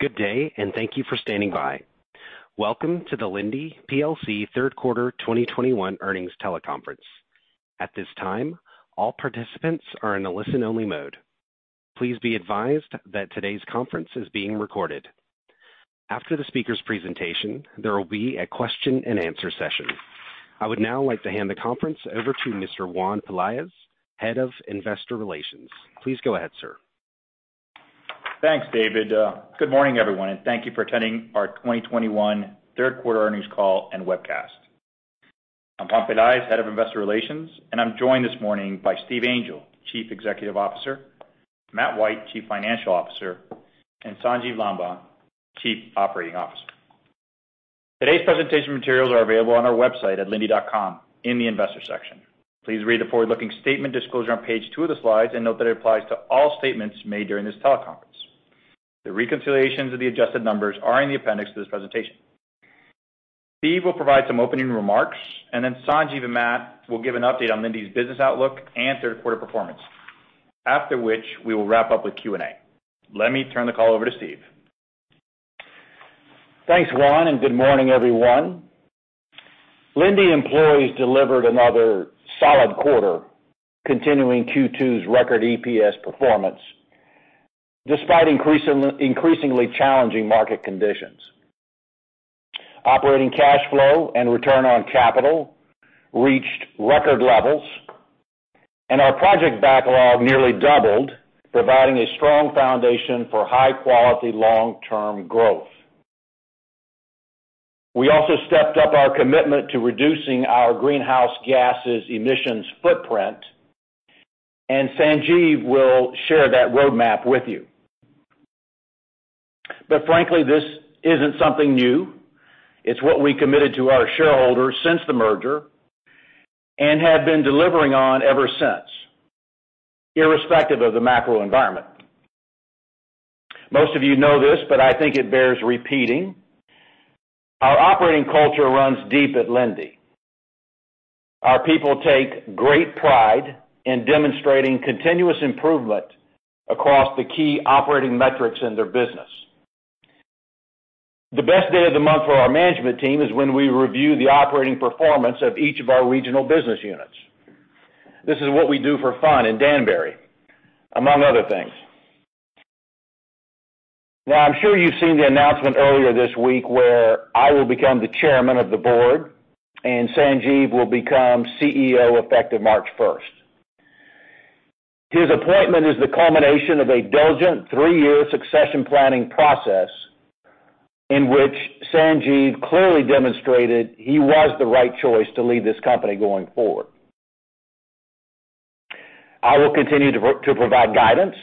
Good day, and thank you for standing by. Welcome to the Linde plc third quarter 2021 earnings teleconference. At this time, all participants are in a listen-only mode. Please be advised that today's conference is being recorded. After the speaker's presentation, there will be a question-and-answer session. I would now like to hand the conference over to Mr. Juan Pelaez, Head of Investor Relations. Please go ahead, sir. Thanks, David. Good morning, everyone, and thank you for attending our 2021 third quarter earnings call and webcast. I'm Juan Pelaez, Head of Investor Relations, and I'm joined this morning by Steve Angel, Chief Executive Officer, Matt White, Chief Financial Officer, and Sanjiv Lamba, Chief Operating Officer. Today's presentation materials are available on our website at linde.com in the investor section. Please read the forward-looking statement disclosure on page two of the slides and note that it applies to all statements made during this teleconference. The reconciliations of the adjusted numbers are in the appendix to this presentation. Steve will provide some opening remarks, and then Sanjiv and Matt will give an update on Linde's business outlook and third quarter performance. After which, we will wrap up with Q&A. Let me turn the call over to Steve. Thanks, Juan, and good morning, everyone. Linde employees delivered another solid quarter, continuing Q2's record EPS performance, despite increasingly challenging market conditions. Operating cash flow and return on capital reached record levels, and our project backlog nearly doubled, providing a strong foundation for high-quality, long-term growth. We also stepped up our commitment to reducing our greenhouse gas emissions footprint, and Sanjiv will share that roadmap with you. Frankly, this isn't something new. It's what we committed to our shareholders since the merger and have been delivering on ever since, irrespective of the macro environment. Most of you know this, but I think it bears repeating. Our operating culture runs deep at Linde. Our people take great pride in demonstrating continuous improvement across the key operating metrics in their business. The best day of the month for our management team is when we review the operating performance of each of our regional business units. This is what we do for fun in Danbury, among other things. Now, I'm sure you've seen the announcement earlier this week where I will become the chairman of the board, and Sanjiv will become CEO effective March first. His appointment is the culmination of a diligent three-year succession planning process in which Sanjiv clearly demonstrated he was the right choice to lead this company going forward. I will continue to provide guidance,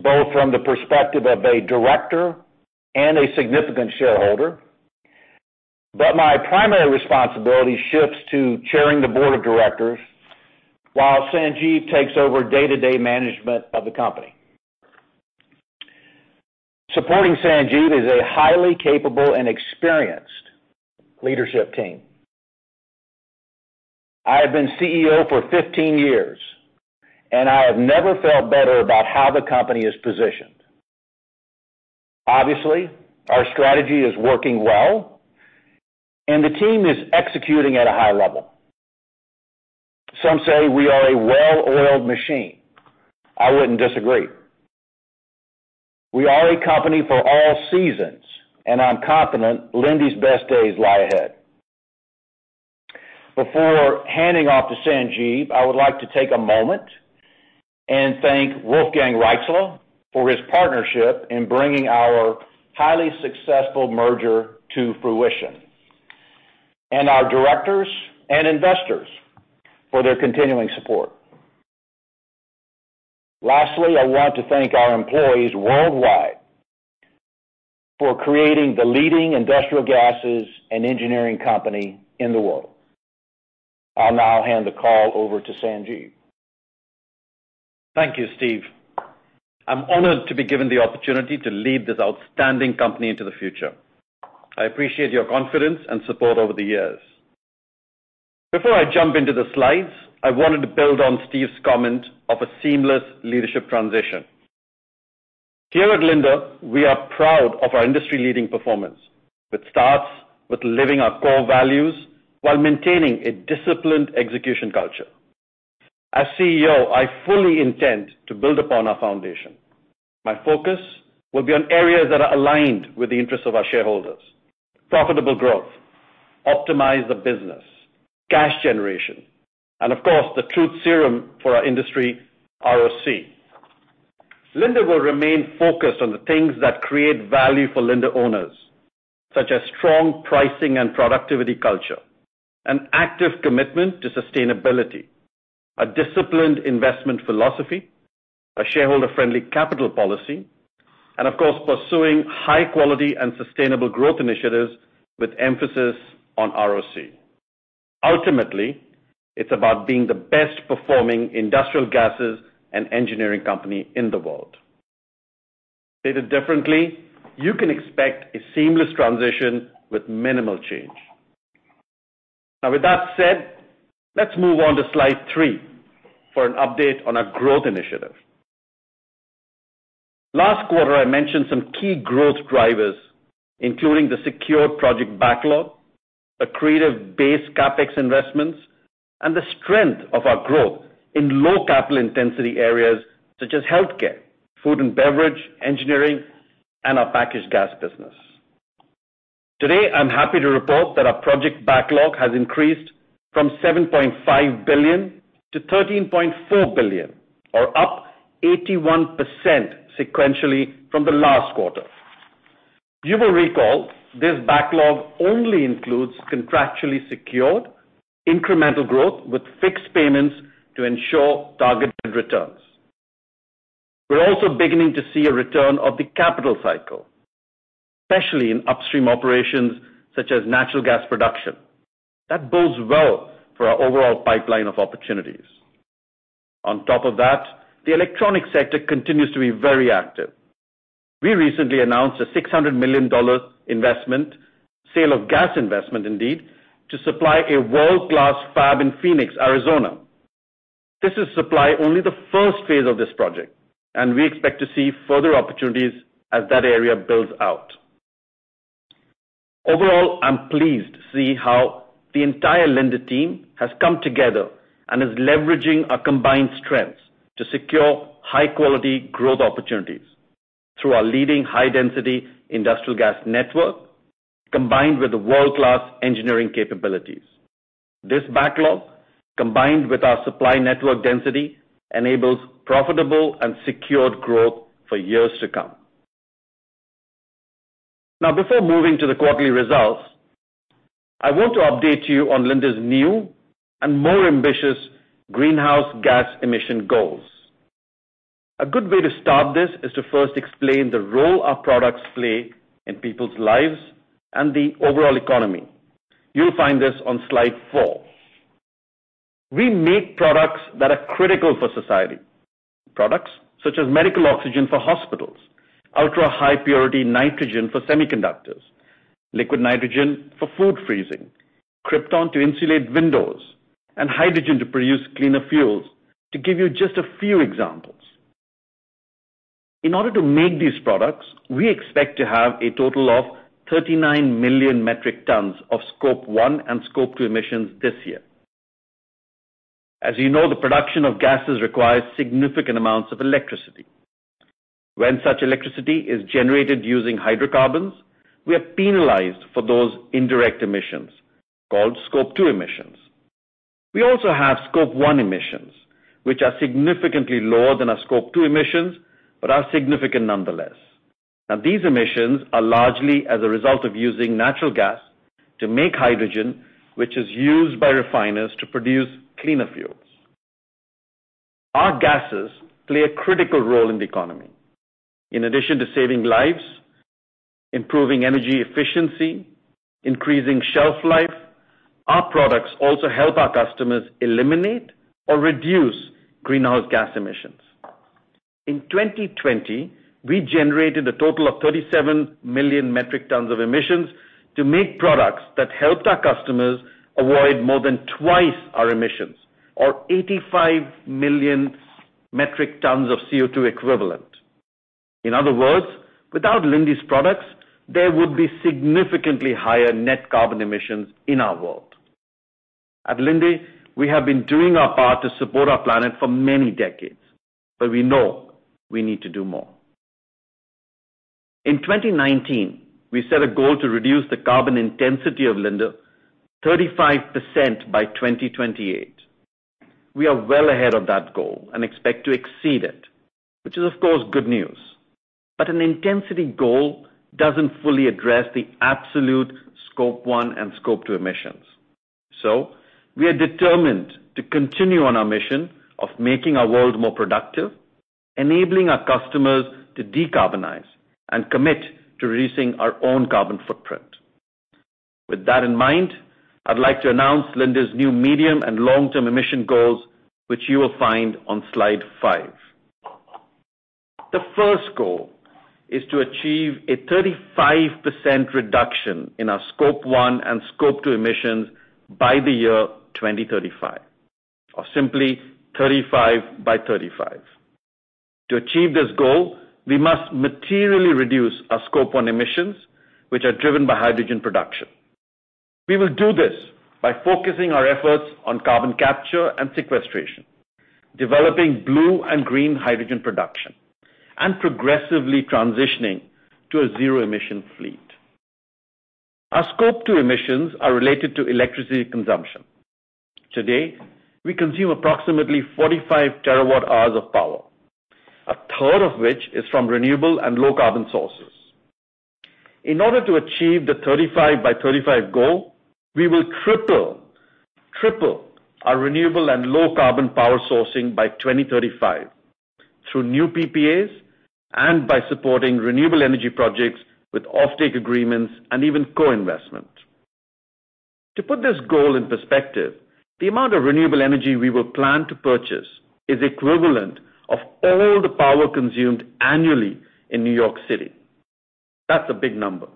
both from the perspective of a director and a significant shareholder, but my primary responsibility shifts to chairing the board of directors while Sanjiv takes over day-to-day management of the company. Supporting Sanjiv is a highly capable and experienced leadership team. I have been CEO for 15 years, and I have never felt better about how the company is positioned. Obviously, our strategy is working well, and the team is executing at a high level. Some say we are a well-oiled machine. I wouldn't disagree. We are a company for all seasons, and I'm confident Linde's best days lie ahead. Before handing off to Sanjiv, I would like to take a moment and thank Wolfgang Reitzle for his partnership in bringing our highly successful merger to fruition, and our directors and investors for their continuing support. Lastly, I want to thank our employees worldwide for creating the leading industrial gases and engineering company in the world. I'll now hand the call over to Sanjiv. Thank you, Steve. I'm honored to be given the opportunity to lead this outstanding company into the future. I appreciate your confidence and support over the years. Before I jump into the slides, I wanted to build on Steve's comment of a seamless leadership transition. Here at Linde, we are proud of our industry-leading performance that starts with living our core values while maintaining a disciplined execution culture. As CEO, I fully intend to build upon our foundation. My focus will be on areas that are aligned with the interests of our shareholders. Profitable growth, optimize the business, cash generation, and of course, the truth serum for our industry, ROC. Linde will remain focused on the things that create value for Linde owners, such as strong pricing and productivity culture, an active commitment to sustainability, a disciplined investment philosophy, a shareholder-friendly capital policy, and of course, pursuing high quality and sustainable growth initiatives with emphasis on ROC. Ultimately, it's about being the best performing industrial gases and engineering company in the world. Stated differently, you can expect a seamless transition with minimal change. Now with that said, let's move on to slide three for an update on our growth initiative. Last quarter, I mentioned some key growth drivers, including the secured project backlog, the core base CapEx investments, and the strength of our growth in low capital intensity areas such as healthcare, food and beverage, engineering, and our packaged gas business. Today, I'm happy to report that our project backlog has increased from $7.5 billion to $13.4 billion, or up 81% sequentially from the last quarter. You will recall this backlog only includes contractually secured incremental growth with fixed payments to ensure targeted returns. We're also beginning to see a return of the capital cycle, especially in upstream operations such as natural gas production. That bodes well for our overall pipeline of opportunities. On top of that, the electronics sector continues to be very active. We recently announced a $600 million sale of gas investment, indeed, to supply a world-class fab in Phoenix, Arizona. This is only the first phase of this project, and we expect to see further opportunities as that area builds out. Overall, I'm pleased to see how the entire Linde team has come together and is leveraging our combined strengths to secure high-quality growth opportunities through our leading high-density industrial gas network, combined with the world-class engineering capabilities. This backlog, combined with our supply network density, enables profitable and secured growth for years to come. Now before moving to the quarterly results, I want to update you on Linde's new and more ambitious greenhouse gas emission goals. A good way to start this is to first explain the role our products play in people's lives and the overall economy. You'll find this on slide four. We make products that are critical for society. Products such as medical oxygen for hospitals, ultrahigh purity nitrogen for semiconductors, liquid nitrogen for food freezing, krypton to insulate windows, and hydrogen to produce cleaner fuels, to give you just a few examples. In order to make these products, we expect to have a total of 39 million metric tons of Scope 1 and Scope 2 emissions this year. As you know, the production of gases requires significant amounts of electricity. When such electricity is generated using hydrocarbons, we are penalized for those indirect emissions, called Scope 2 emissions. We also have Scope 1 emissions, which are significantly lower than our Scope 2 emissions, but are significant nonetheless. Now, these emissions are largely as a result of using natural gas to make hydrogen, which is used by refiners to produce cleaner fuels. Our gases play a critical role in the economy. In addition to saving lives, improving energy efficiency, increasing shelf life, our products also help our customers eliminate or reduce greenhouse gas emissions. In 2020, we generated a total of 37 million metric tons of emissions to make products that helped our customers avoid more than twice our emissions or 85 million metric tons of CO2 equivalent. In other words, without Linde's products, there would be significantly higher net carbon emissions in our world. At Linde, we have been doing our part to support our planet for many decades, but we know we need to do more. In 2019, we set a goal to reduce the carbon intensity of Linde 35% by 2028. We are well ahead of that goal and expect to exceed it, which is of course good news. But an intensity goal doesn't fully address the absolute Scope 1 and Scope 2 emissions. We are determined to continue on our mission of making our world more productive, enabling our customers to decarbonize and commit to reducing our own carbon footprint. With that in mind, I'd like to announce Linde's new medium and long-term emission goals, which you will find on slide 5. The first goal is to achieve a 35% reduction in our Scope 1 and Scope 2 emissions by the year 2035 or simply 35 by 35. To achieve this goal, we must materially reduce our Scope 1 emissions, which are driven by hydrogen production. We will do this by focusing our efforts on carbon capture and sequestration, developing blue and green hydrogen production, and progressively transitioning to a zero-emission fleet. Our Scope 2 emissions are related to electricity consumption. Today, we consume approximately 45 terawatt-hours of power, a third of which is from renewable and low carbon sources. In order to achieve the 35 by 35 goal, we will triple our renewable and low carbon power sourcing by 2035 through new PPAs and by supporting renewable energy projects with offtake agreements and even co-investment. To put this goal in perspective, the amount of renewable energy we will plan to purchase is equivalent to all the power consumed annually in New York City. That's a big number.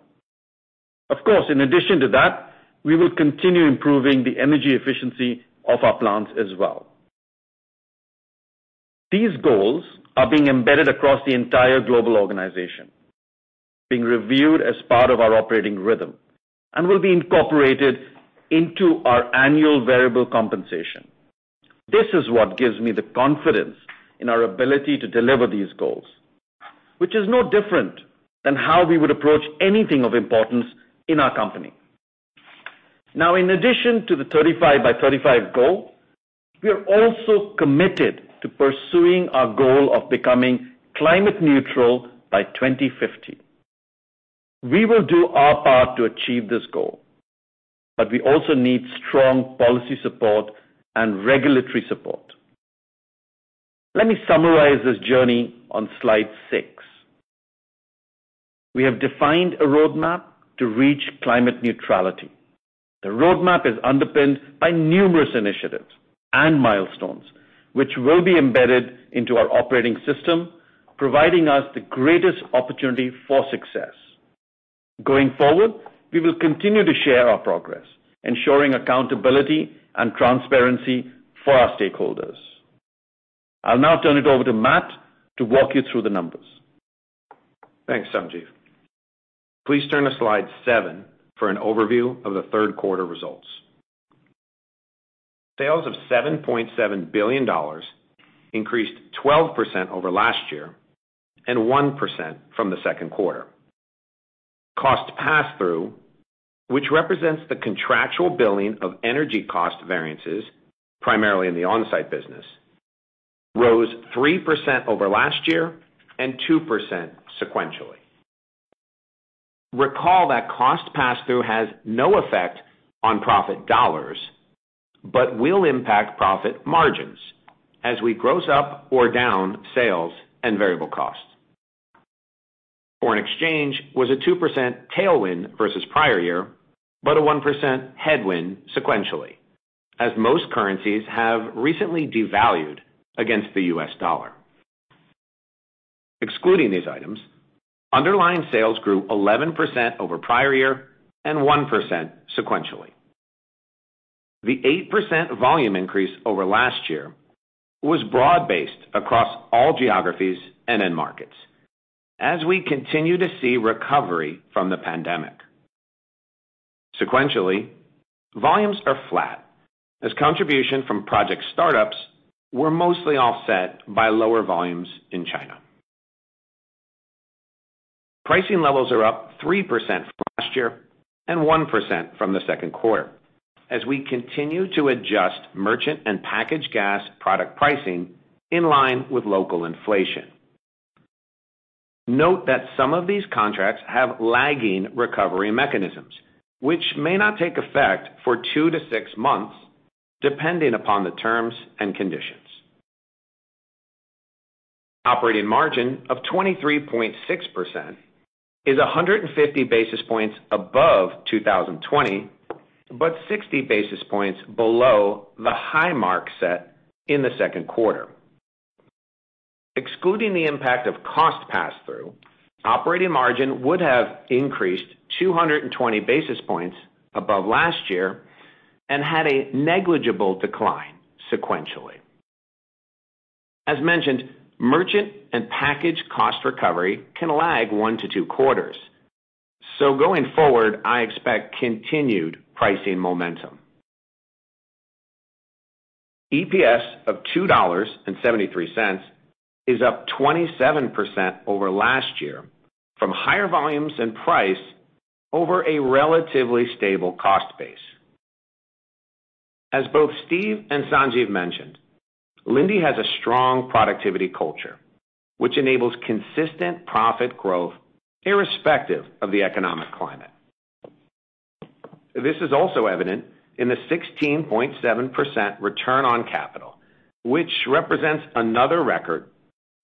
Of course, in addition to that, we will continue improving the energy efficiency of our plants as well. These goals are being embedded across the entire global organization, being reviewed as part of our operating rhythm, and will be incorporated into our annual variable compensation. This is what gives me the confidence in our ability to deliver these goals, which is no different than how we would approach anything of importance in our company. Now, in addition to the 35 by 35 goal, we are also committed to pursuing our goal of becoming climate neutral by 2050. We will do our part to achieve this goal, but we also need strong policy support and regulatory support. Let me summarize this journey on slide 6. We have defined a roadmap to reach climate neutrality. The roadmap is underpinned by numerous initiatives and milestones, which will be embedded into our operating system, providing us the greatest opportunity for success. Going forward, we will continue to share our progress, ensuring accountability and transparency for our stakeholders. I'll now turn it over to Matt to walk you through the numbers. Thanks, Sanjiv. Please turn to slide seven for an overview of the third quarter results. Sales of $7.7 billion increased 12% over last year and 1% from the second quarter. Cost pass-through, which represents the contractual billing of energy cost variances primarily in the on-site business, rose 3% over last year and 2% sequentially. Recall that cost pass-through has no effect on profit dollars, but will impact profit margins as we gross up or down sales and variable costs. Foreign exchange was a 2% tailwind versus prior year, but a 1% headwind sequentially, as most currencies have recently devalued against the U.S. dollar. Excluding these items, underlying sales grew 11% over prior year and 1% sequentially. The 8% volume increase over last year was broad-based across all geographies and end markets as we continue to see recovery from the pandemic. Sequentially, volumes are flat as contribution from project startups were mostly offset by lower volumes in China. Pricing levels are up 3% from last year and 1% from the second quarter as we continue to adjust merchant and packaged gas product pricing in line with local inflation. Note that some of these contracts have lagging recovery mechanisms, which may not take effect for two to six months, depending upon the terms and conditions. Operating margin of 23.6% is 150 basis points above 2020, but 60 basis points below the high mark set in the second quarter. Excluding the impact of cost pass-through, operating margin would have increased 220 basis points above last year and had a negligible decline sequentially. As mentioned, merchant and package cost recovery can lag one to two quarters. Going forward, I expect continued pricing momentum. EPS of $2.73 is up 27% over last year from higher volumes and price over a relatively stable cost base. As both Steve and Sanjiv mentioned, Linde has a strong productivity culture, which enables consistent profit growth irrespective of the economic climate. This is also evident in the 16.7% return on capital, which represents another record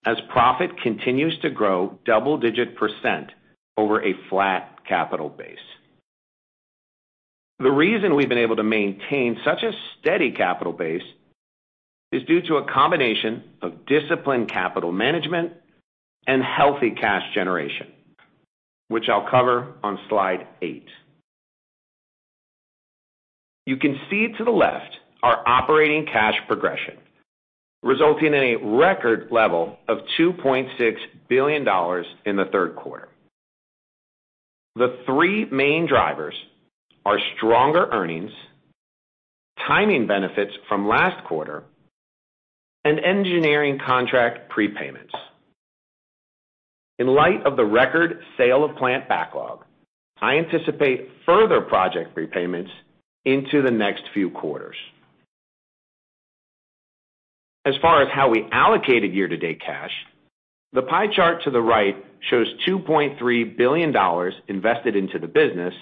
as profit continues to grow double-digit % over a flat capital base. The reason we've been able to maintain such a steady capital base is due to a combination of disciplined capital management and healthy cash generation, which I'll cover on slide eight. You can see to the left our operating cash progression resulting in a record level of $2.6 billion in the third quarter. The three main drivers are stronger earnings, timing benefits from last quarter, and engineering contract prepayments. In light of the record sale of plant backlog, I anticipate further project prepayments into the next few quarters. As far as how we allocated year-to-date cash, the pie chart to the right shows $2.3 billion invested into the business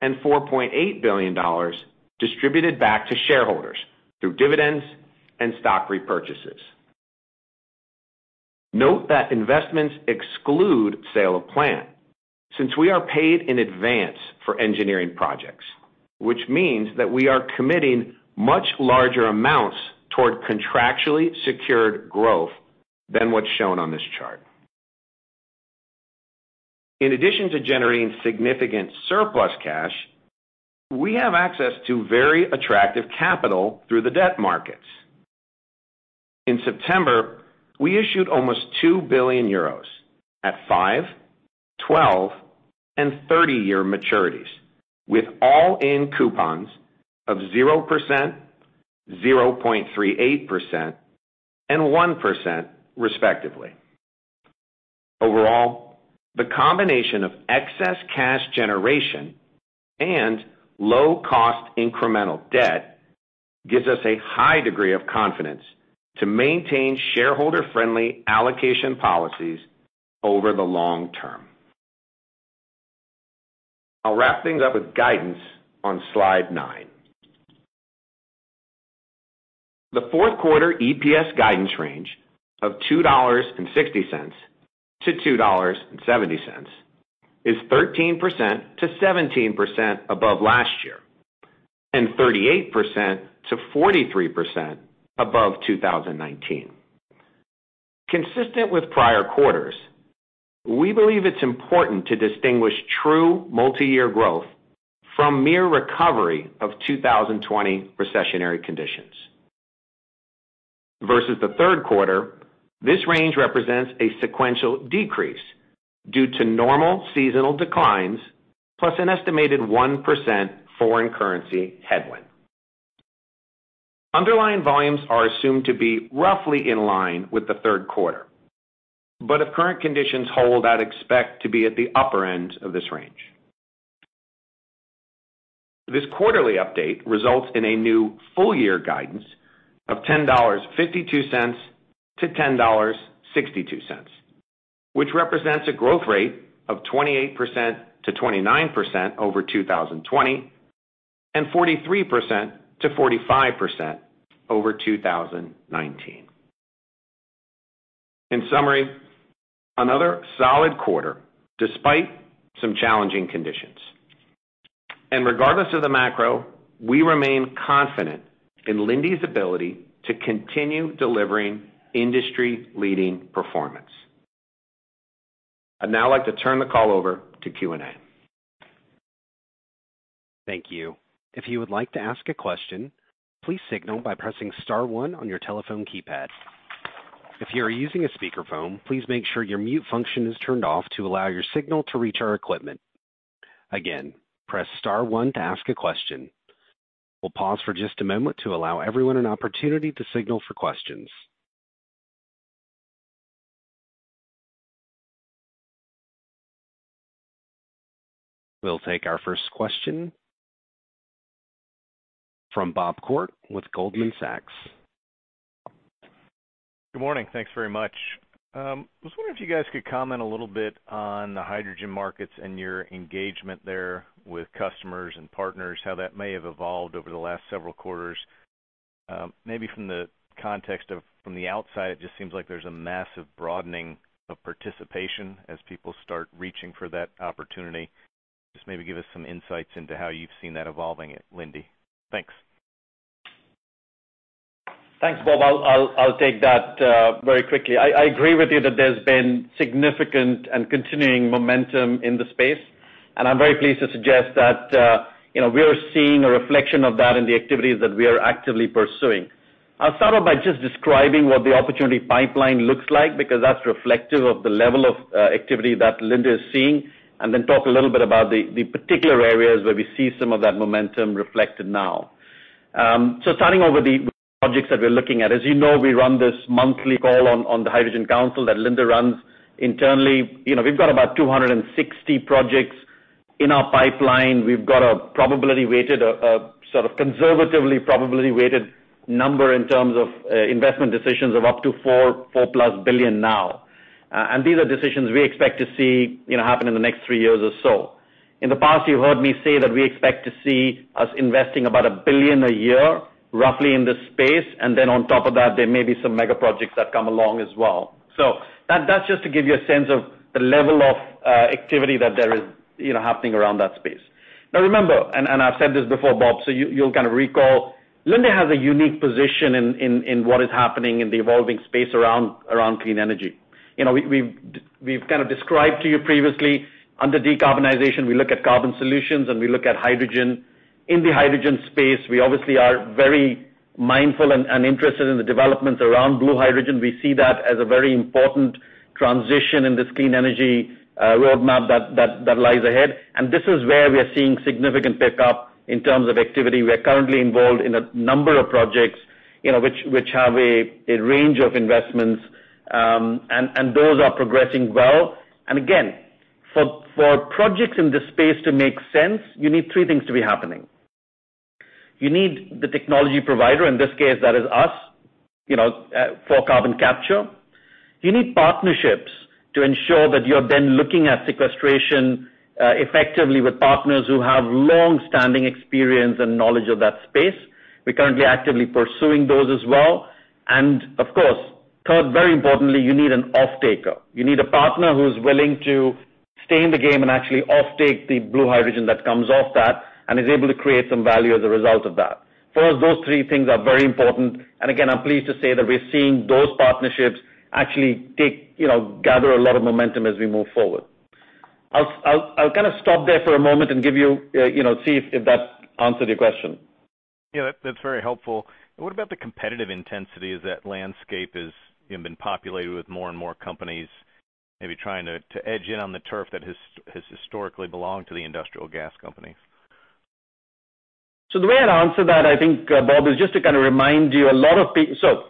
and $4.8 billion distributed back to shareholders through dividends and stock repurchases. Note that investments exclude sale of plant, since we are paid in advance for engineering projects. Which means that we are committing much larger amounts toward contractually secured growth than what's shown on this chart. In addition to generating significant surplus cash, we have access to very attractive capital through the debt markets. In September, we issued almost 2 billion euros at five-, 12-, and 30-year maturities, with all-in coupons of 0%, 0.38%, and 1% respectively. Overall, the combination of excess cash generation and low cost incremental debt gives us a high degree of confidence to maintain shareholder-friendly allocation policies over the long term. I'll wrap things up with guidance on slide nine. The fourth quarter EPS guidance range of $2.60-$2.70 is 13%-17% above last year, and 38%-43% above 2019. Consistent with prior quarters, we believe it's important to distinguish true multi-year growth from mere recovery of 2020 recessionary conditions. Versus the third quarter, this range represents a sequential decrease due to normal seasonal declines, plus an estimated 1% foreign currency headwind. Underlying volumes are assumed to be roughly in line with the third quarter, but if current conditions hold, I'd expect to be at the upper end of this range. This quarterly update results in a new full-year guidance of $10.52-$10.62, which represents a growth rate of 28%-29% over 2020, and 43%-45% over 2019. In summary, another solid quarter despite some challenging conditions. Regardless of the macro, we remain confident in Linde's ability to continue delivering industry-leading performance. I'd now like to turn the call over to Q&A. Thank you. If you would like to ask a question, please signal by pressing star one on your telephone keypad. If you are using a speakerphone, please make sure your mute function is turned off to allow your signal to reach our equipment. Again, press star one to ask a question. We'll pause for just a moment to allow everyone an opportunity to signal for questions. We'll take our first question from Bob Koort with Goldman Sachs. Good morning. Thanks very much. I was wondering if you guys could comment a little bit on the hydrogen markets and your engagement there with customers and partners, how that may have evolved over the last several quarters. Maybe from the outside, it just seems like there's a massive broadening of participation as people start reaching for that opportunity. Just maybe give us some insights into how you've seen that evolving at Linde. Thanks. Thanks, Bob. I'll take that very quickly. I agree with you that there's been significant and continuing momentum in the space, and I'm very pleased to suggest that, you know, we are seeing a reflection of that in the activities that we are actively pursuing. I'll start off by just describing what the opportunity pipeline looks like because that's reflective of the level of activity that Linde is seeing, and then talk a little bit about the particular areas where we see some of that momentum reflected now. Starting with the projects that we're looking at. As you know, we run this monthly call on the Hydrogen Council that Linde runs internally. You know, we've got about 260 projects in our pipeline. We've got a probability-weighted, sort of conservatively probability-weighted number in terms of investment decisions of up to $4+ billion now. These are decisions we expect to see, you know, happen in the next three years or so. In the past, you heard me say that we expect to see us investing about $1 billion a year, roughly in this space. On top of that, there may be some mega projects that come along as well. That's just to give you a sense of the level of activity that there is, you know, happening around that space. Now remember, I've said this before, Bob, so you'll kind of recall, Linde has a unique position in what is happening in the evolving space around clean energy. You know, we've kind of described to you previously under decarbonization, we look at carbon solutions, and we look at hydrogen. In the hydrogen space, we obviously are very mindful and interested in the developments around blue hydrogen. We see that as a very important transition in this clean energy roadmap that lies ahead. This is where we are seeing significant pickup in terms of activity. We are currently involved in a number of projects, you know, which have a range of investments, and those are progressing well. Again, for projects in this space to make sense, you need three things to be happening. You need the technology provider, in this case, that is us, you know, for carbon capture. You need partnerships to ensure that you're then looking at sequestration effectively with partners who have long-standing experience and knowledge of that space. We're currently actively pursuing those as well. Of course- Third, very importantly, you need an offtaker. You need a partner who's willing to stay in the game and actually offtake the blue hydrogen that comes off that and is able to create some value as a result of that. For us, those three things are very important, and again, I'm pleased to say that we're seeing those partnerships actually you know, gather a lot of momentum as we move forward. I'll kind of stop there for a moment and give you you know, see if that answered your question. Yeah, that's very helpful. What about the competitive intensity as that landscape is, you know, been populated with more and more companies maybe trying to edge in on the turf that has historically belonged to the industrial gas companies? The way I'd answer that, I think, Bob, is just to kind of remind you.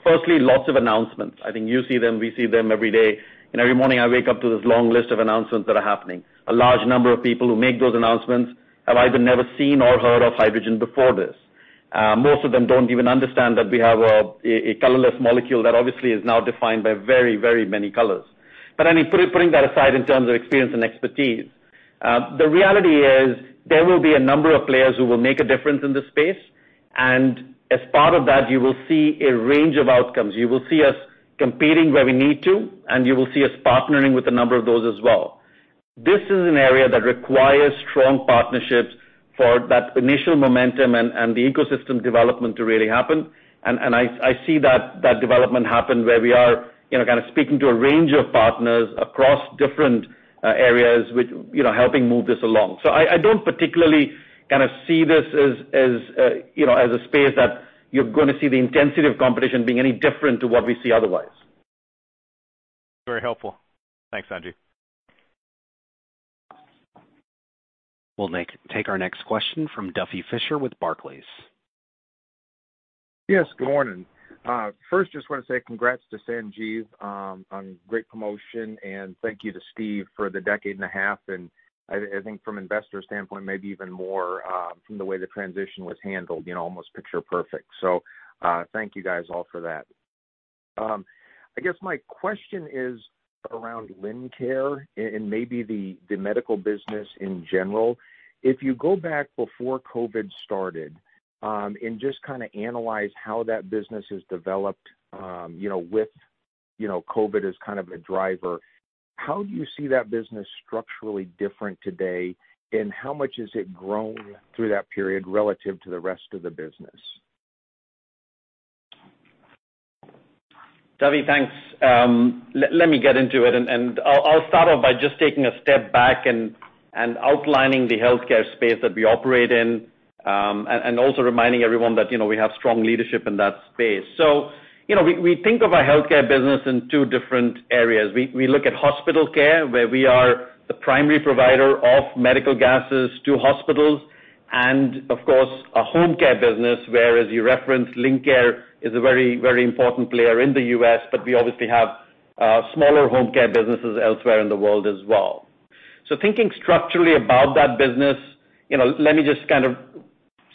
Firstly, lots of announcements. I think you see them, we see them every day. Every morning, I wake up to this long list of announcements that are happening. A large number of people who make those announcements have either never seen or heard of hydrogen before this. Most of them don't even understand that we have a colorless molecule that obviously is now defined by very, very many colors. But anyway, putting that aside in terms of experience and expertise, the reality is there will be a number of players who will make a difference in this space. As part of that, you will see a range of outcomes. You will see us competing where we need to, and you will see us partnering with a number of those as well. This is an area that requires strong partnerships for that initial momentum and the ecosystem development to really happen. I see that development happen where we are, you know, kind of speaking to a range of partners across different areas which, you know, helping move this along. I don't particularly kinda see this as you know, as a space that you're gonna see the intensity of competition being any different to what we see otherwise. Very helpful. Thanks, Sanjiv. We'll take our next question from Duffy Fischer with Barclays. Yes, good morning. First just wanna say congrats to Sanjiv on great promotion, and thank you to Steve for the decade and a half. I think from investor standpoint, maybe even more, from the way the transition was handled, you know, almost picture perfect. Thank you guys all for that. I guess my question is around Lincare and maybe the medical business in general. If you go back before COVID started, and just kinda analyze how that business has developed, you know, with COVID as kind of a driver, how do you see that business structurally different today, and how much has it grown through that period relative to the rest of the business? Duffy, thanks. Let me get into it, and I'll start off by just taking a step back and outlining the healthcare space that we operate in, and also reminding everyone that, you know, we have strong leadership in that space. You know, we think of our healthcare business in two different areas. We look at hospital care, where we are the primary provider of medical gases to hospitals, and of course, a home care business, where as you referenced, Lincare is a very important player in the U.S., but we obviously have smaller home care businesses elsewhere in the world as well. Thinking structurally about that business, you know, let me just kind of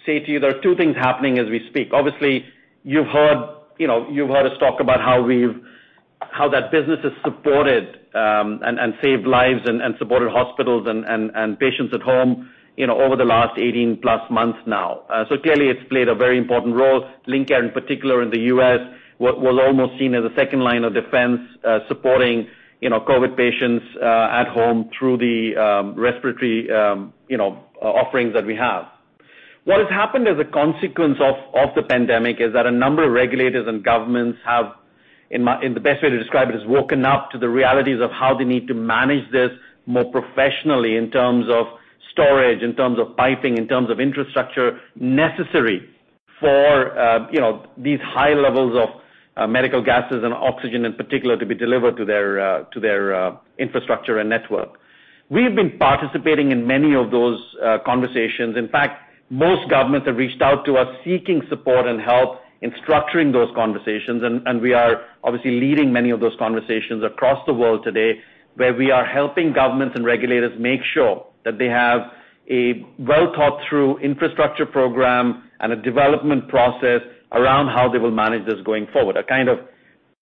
say to you, there are two things happening as we speak. Obviously, you've heard, you know, you've heard us talk about how that business has supported and saved lives and supported hospitals and patients at home, you know, over the last 18+ months now. Clearly it's played a very important role. Lincare, in particular in the U.S., was almost seen as a second line of defense, supporting, you know, COVID patients at home through the respiratory, you know, offerings that we have. What has happened as a consequence of the pandemic is that a number of regulators and governments have woken up to the realities of how they need to manage this more professionally in terms of storage, in terms of piping, in terms of infrastructure necessary for you know these high levels of medical gases and oxygen in particular to be delivered to their infrastructure and network. We have been participating in many of those conversations. In fact, most governments have reached out to us seeking support and help in structuring those conversations, and we are obviously leading many of those conversations across the world today, where we are helping governments and regulators make sure that they have a well-thought-through infrastructure program and a development process around how they will manage this going forward. A kind of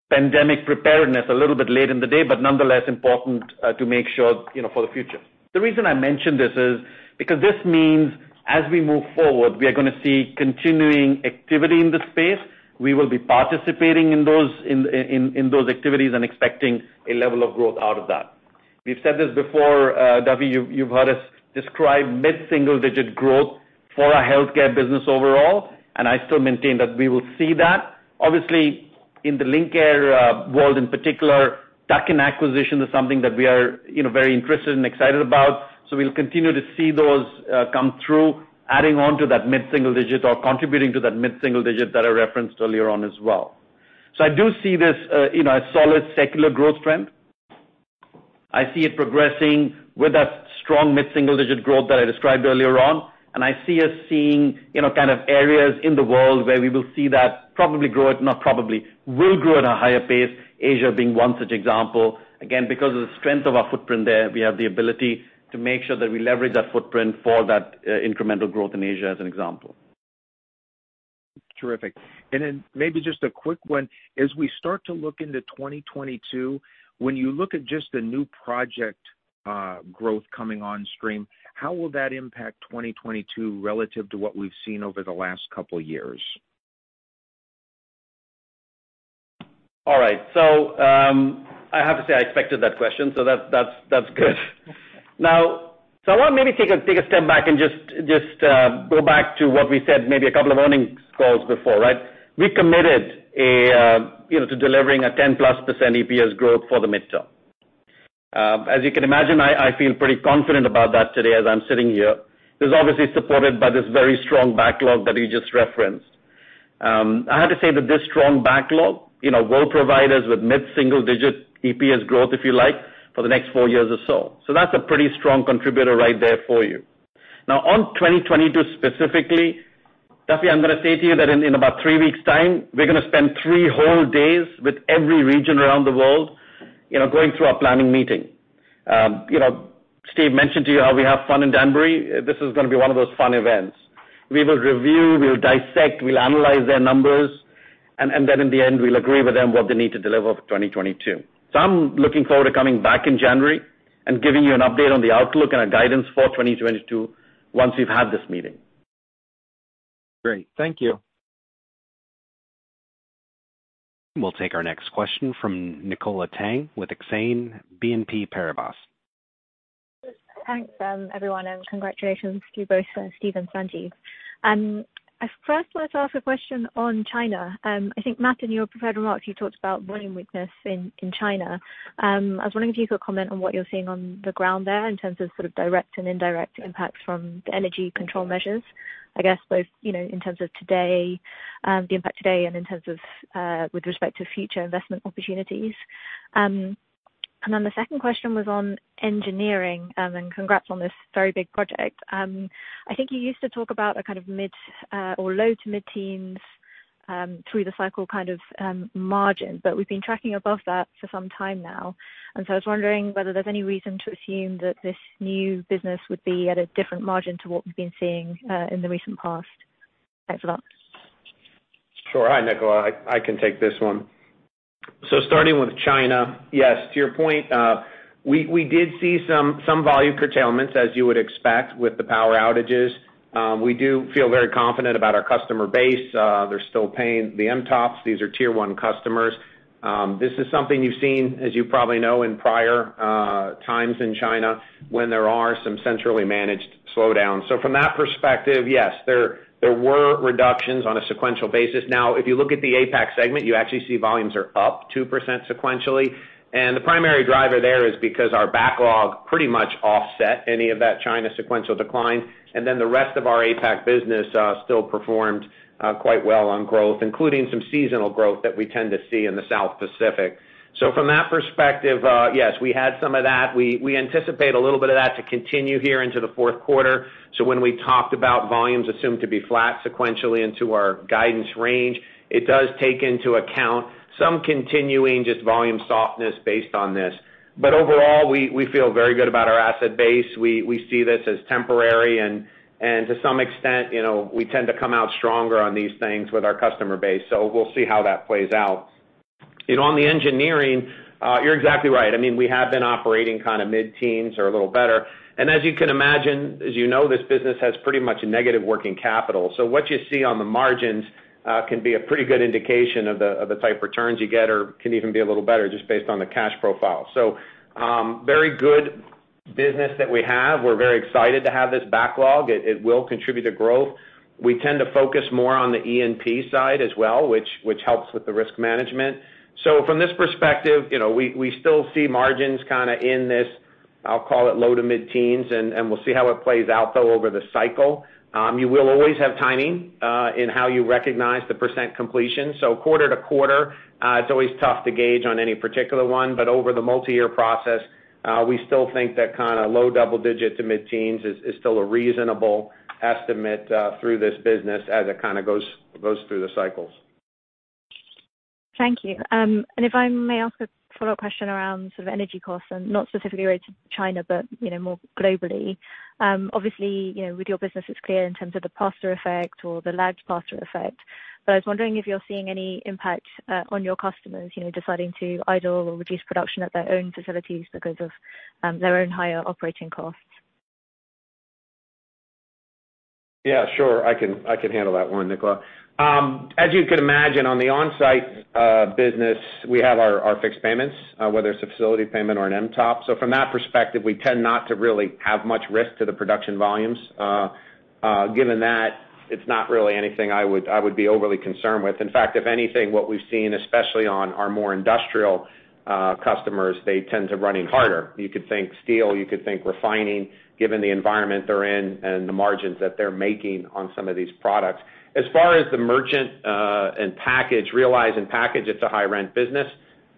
pandemic preparedness a little bit late in the day, but nonetheless important, to make sure, you know, for the future. The reason I mention this is because this means as we move forward, we are gonna see continuing activity in this space. We will be participating in those activities and expecting a level of growth out of that. We've said this before, Duffy, you've heard us describe mid-single digit growth for our healthcare business overall, and I still maintain that we will see that. Obviously, in the Lincare world in particular, tuck-in acquisition is something that we are, you know, very interested and excited about. We'll continue to see those come through, adding on to that mid-single digit or contributing to that mid-single digit that I referenced earlier on as well. I do see this, you know, a solid secular growth trend. I see it progressing with that strong mid-single digit growth that I described earlier on, and I see us seeing, you know, kind of areas in the world where we will see that will grow at a higher pace, Asia being one such example. Again, because of the strength of our footprint there, we have the ability to make sure that we leverage that footprint for that, incremental growth in Asia as an example. Terrific. Then maybe just a quick one. As we start to look into 2022, when you look at just the new project growth coming on stream, how will that impact 2022 relative to what we've seen over the last couple years? All right. I have to say I expected that question, so that's good. Now, I wanna maybe take a step back and just go back to what we said maybe a couple of earnings calls before, right? We committed, you know, to delivering a 10%+ EPS growth for the midterm. As you can imagine, I feel pretty confident about that today as I'm sitting here. This is obviously supported by this very strong backlog that you just referenced. I have to say that this strong backlog, you know, will provide us with mid-single-digit EPS growth, if you like, for the next four years or so. That's a pretty strong contributor right there for you. Now on 2022 specifically, Duffy, I'm gonna say to you that in about 3 weeks time, we're gonna spend 3 whole days with every region around the world, you know, going through our planning meeting. You know, Steve mentioned to you how we have fun in Danbury. This is gonna be one of those fun events. We will review, we'll dissect, we'll analyze their numbers, and then in the end, we'll agree with them what they need to deliver for 2022. I'm looking forward to coming back in January and giving you an update on the outlook and our guidance for 2022 once we've had this meeting. Great. Thank you. We'll take our next question from Nicola Tang with Exane BNP Paribas. Thanks, everyone, and congratulations to you both, Steve and Sanjiv. I first want to ask a question on China. I think, Matt, in your prepared remarks, you talked about volume weakness in China. I was wondering if you could comment on what you're seeing on the ground there in terms of sort of direct and indirect impacts from the energy control measures, I guess both, you know, in terms of today, the impact today and in terms of, with respect to future investment opportunities. Then the second question was on engineering, and congrats on this very big project. I think you used to talk about a kind of low- to mid-teens% through the cycle kind of margin, but we've been tracking above that for some time now. I was wondering whether there's any reason to assume that this new business would be at a different margin to what we've been seeing, in the recent past. Thanks a lot. Sure. Hi, Nicola. I can take this one. Starting with China, yes, to your point, we did see some volume curtailments, as you would expect with the power outages. We do feel very confident about our customer base. They're still paying the MTOPs. These are tier one customers. This is something you've seen, as you probably know, in prior times in China when there are some centrally managed slowdowns. From that perspective, yes, there were reductions on a sequential basis. Now, if you look at the APAC segment, you actually see volumes are up 2% sequentially. The primary driver there is because our backlog pretty much offset any of that China sequential decline, and then the rest of our APAC business still performed quite well on growth, including some seasonal growth that we tend to see in the South Pacific. From that perspective, yes, we had some of that. We anticipate a little bit of that to continue here into the fourth quarter. When we talked about volumes assumed to be flat sequentially into our guidance range, it does take into account some continuing just volume softness based on this. Overall, we feel very good about our asset base. We see this as temporary and to some extent, you know, we tend to come out stronger on these things with our customer base. We'll see how that plays out. You know, on the engineering, you're exactly right. I mean, we have been operating kinda mid-teens% or a little better. As you can imagine, as you know, this business has pretty much a negative working capital. What you see on the margins can be a pretty good indication of the type returns you get or can even be a little better just based on the cash profile. Very good business that we have. We're very excited to have this backlog. It will contribute to growth. We tend to focus more on the E&P side as well, which helps with the risk management. From this perspective, you know, we still see margins kinda in this, I'll call it low- to mid-teens%, and we'll see how it plays out, though, over the cycle. You will always have timing in how you recognize the percent completion. Quarter to quarter, it's always tough to gauge on any particular one, but over the multiyear process, we still think that kinda low double digit to mid-teens is still a reasonable estimate through this business as it kinda goes through the cycles. Thank you. If I may ask a follow-up question around sort of energy costs and not specifically related to China but, you know, more globally. Obviously, you know, with your business, it's clear in terms of the pass-through effect or the lagged pass-through effect. I was wondering if you're seeing any impact on your customers, you know, deciding to idle or reduce production at their own facilities because of their own higher operating costs. Yeah, sure. I can handle that one, Nicola. As you can imagine, on the onsite business, we have our fixed payments, whether it's a facility payment or an MTOP. From that perspective, we tend not to really have much risk to the production volumes. Given that, it's not really anything I would be overly concerned with. In fact, if anything, what we've seen, especially on our more industrial customers, they tend to run harder. You could think steel, you could think refining, given the environment they're in and the margins that they're making on some of these products. As far as the merchant and packaged, and in packaged it's a high-margin business,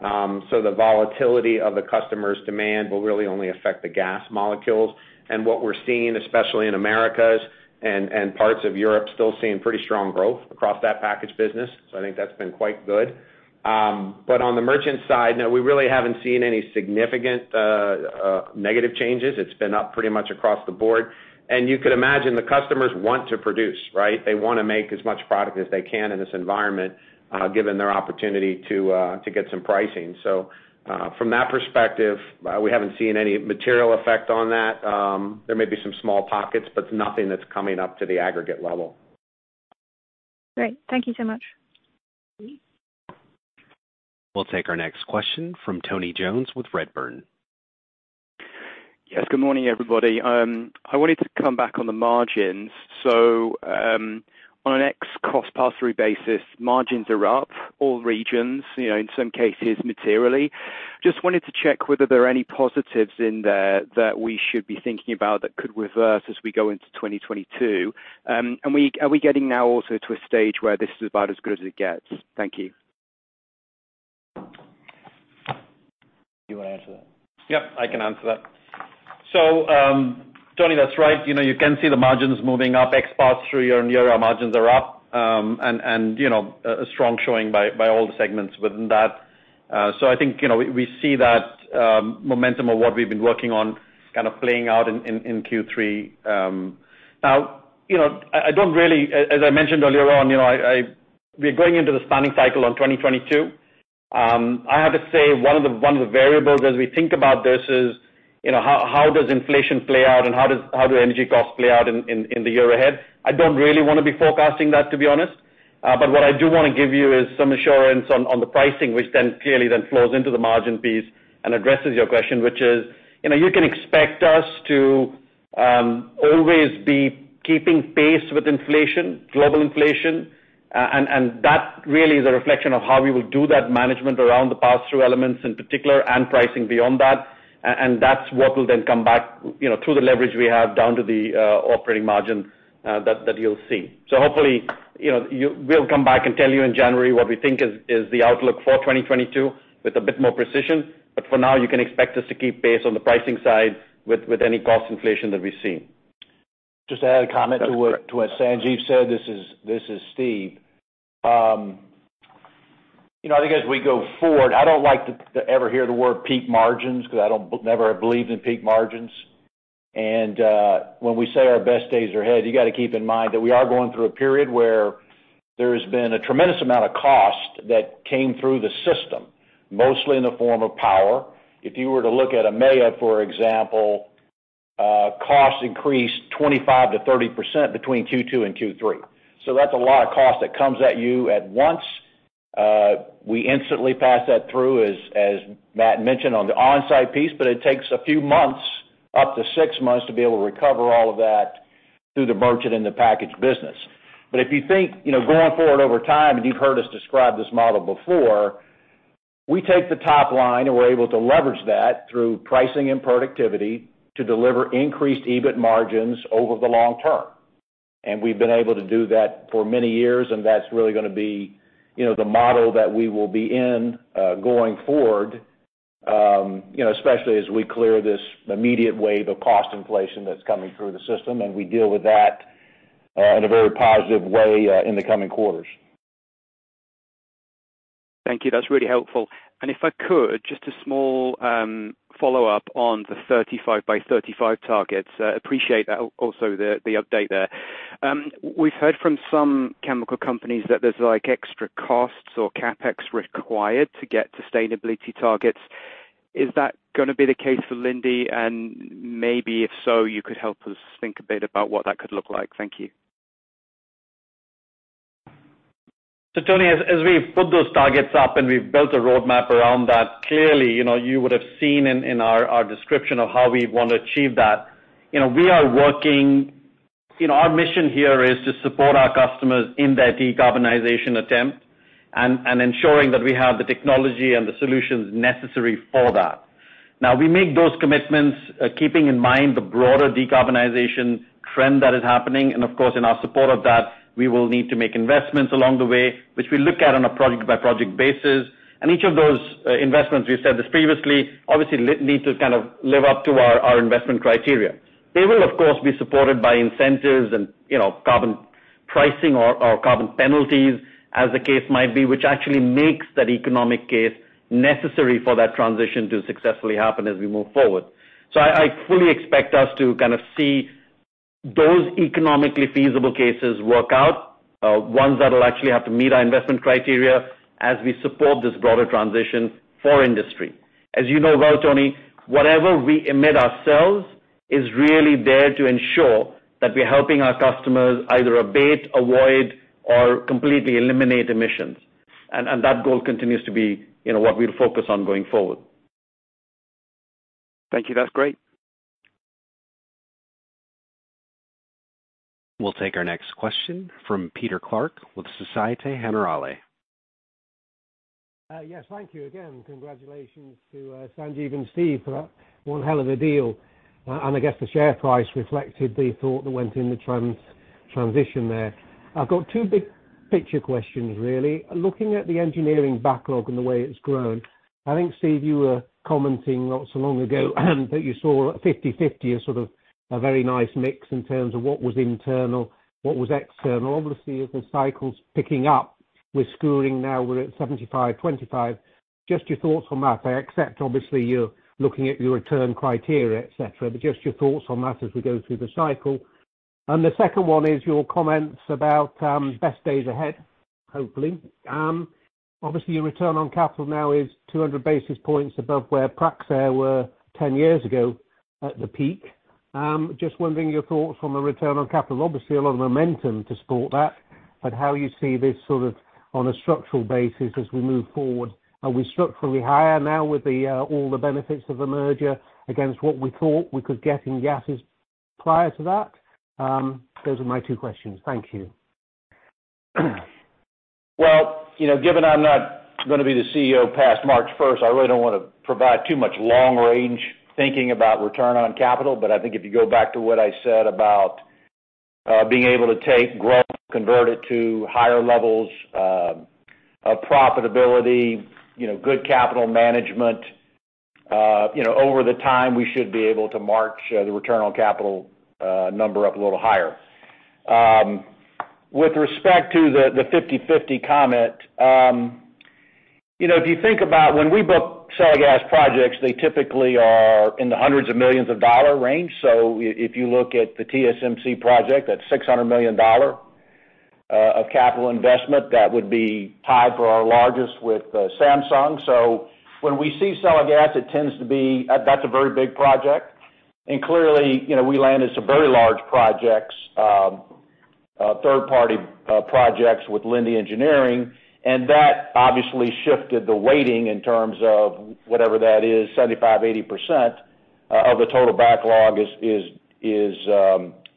so the volatility of the customer's demand will really only affect the gas molecules. What we're seeing, especially in Americas and parts of Europe, still seeing pretty strong growth across that package business. I think that's been quite good. On the merchant side, no, we really haven't seen any significant negative changes. It's been up pretty much across the board. You could imagine the customers want to produce, right? They wanna make as much product as they can in this environment, given their opportunity to get some pricing. From that perspective, we haven't seen any material effect on that. There may be some small pockets, but nothing that's coming up to the aggregate level. Great. Thank you so much. We'll take our next question from Tony Jones with Redburn. Yes. Good morning, everybody. I wanted to come back on the margins. On an X cost pass-through basis, margins are up, all regions, you know, in some cases materially. Just wanted to check whether there are any positives in there that we should be thinking about that could reverse as we go into 2022. Are we getting now also to a stage where this is about as good as it gets? Thank you. You wanna answer that? Yep, I can answer that. Tony, that's right. You know, you can see the margins moving up, ex pass-through and non-air margins are up, and you know, a strong showing by all the segments within that. I think, you know, we see that momentum of what we've been working on kind of playing out in Q3. Now, you know, as I mentioned earlier on, you know, we're going into the spending cycle on 2022. I have to say one of the variables as we think about this is, you know, how does inflation play out and how do energy costs play out in the year ahead? I don't really wanna be forecasting that, to be honest. What I do wanna give you is some assurance on the pricing, which then clearly flows into the margin piece and addresses your question, which is, you know, you can expect us to always be keeping pace with inflation, global inflation. That really is a reflection of how we will do that management around the pass-through elements in particular, and pricing beyond that. That's what will then come back, you know, through the leverage we have down to the operating margin, that you'll see. Hopefully, you know, we'll come back and tell you in January what we think is the outlook for 2022 with a bit more precision. For now, you can expect us to keep pace on the pricing side with any cost inflation that we've seen. Just to add a comment to what. That's correct. To what Sanjiv said, this is Steve. You know, I think as we go forward, I don't like to ever hear the word peak margins because I never believed in peak margins. When we say our best days are ahead, you gotta keep in mind that we are going through a period where there has been a tremendous amount of cost that came through the system, mostly in the form of power. If you were to look at EMEA, for example, costs increased 25%-30% between Q2 and Q3. That's a lot of cost that comes at you at once. We instantly pass that through as Matt mentioned on the onsite piece, but it takes a few months, up to six months, to be able to recover all of that through the merchant and the package business. If you think, you know, going forward over time, and you've heard us describe this model before, we take the top line, and we're able to leverage that through pricing and productivity to deliver increased EBIT margins over the long term. We've been able to do that for many years, and that's really gonna be, you know, the model that we will be in, going forward, you know, especially as we clear this immediate wave of cost inflation that's coming through the system, and we deal with that, in a very positive way, in the coming quarters. Thank you. That's really helpful. If I could, just a small follow-up on the 35 by 35 targets. Appreciate that also the update there. We've heard from some chemical companies that there's like extra costs or CapEx required to get sustainability targets. Is that gonna be the case for Linde? Maybe if so, you could help us think a bit about what that could look like. Thank you. Tony, as we've put those targets up and we've built a roadmap around that, clearly, you know, you would have seen in our description of how we wanna achieve that, you know. Our mission here is to support our customers in their decarbonization attempt and ensuring that we have the technology and the solutions necessary for that. Now, we make those commitments, keeping in mind the broader decarbonization trend that is happening. Of course, in our support of that, we will need to make investments along the way, which we look at on a project-by-project basis. Each of those investments, we've said this previously, obviously need to kind of live up to our investment criteria. They will, of course, be supported by incentives and, you know, carbon pricing or carbon penalties as the case might be, which actually makes that economic case necessary for that transition to successfully happen as we move forward. I fully expect us to kind of see those economically feasible cases work out, ones that will actually have to meet our investment criteria as we support this broader transition for industry. As you know well, Tony, whatever we emit ourselves is really there to ensure that we're helping our customers either abate, avoid, or completely eliminate emissions. that goal continues to be, you know, what we'll focus on going forward. Thank you. That's great. We'll take our next question from Peter Clark with Societe Generale. Yes. Thank you again. Congratulations to Sanjiv and Steve for that one hell of a deal. I guess the share price reflected the thought that went in the transaction there. I've got two big picture questions really. Looking at the engineering backlog and the way it's grown, I think, Steve, you were commenting not so long ago that you saw 50/50 as sort of a very nice mix in terms of what was internal, what was external. Obviously, as the cycle's picking up, we're skewing now, we're at 75/25. Just your thoughts on that. I accept, obviously, you're looking at your return criteria, et cetera, but just your thoughts on that as we go through the cycle. The second one is your comments about best days ahead, hopefully. Obviously, your return on capital now is 200 basis points above where Praxair were 10 years ago at the peak. I'm just wondering your thoughts on the return on capital. Obviously, a lot of momentum to support that. How do you see this sort of on a structural basis as we move forward? Are we structurally higher now with all the benefits of the merger against what we thought we could get in gases prior to that? Those are my two questions. Thank you. Well, you know, given I'm not gonna be the CEO past March first, I really don't wanna provide too much long-range thinking about return on capital. I think if you go back to what I said about being able to take growth, convert it to higher levels of profitability, you know, good capital management, you know, over the time, we should be able to march the return on capital number up a little higher. With respect to the 50/50 comment, you know, if you think about when we book selling gas projects, they typically are in the hundreds of millions of dollars range. If you look at the TSMC project, that's $600 million of capital investment that would be tied for our largest with Samsung. When we see selling gas, it tends to be, that's a very big project. Clearly, you know, we landed some very large projects, third-party projects with Linde Engineering, and that obviously shifted the weighting in terms of whatever that is, 75%-80% of the total backlog is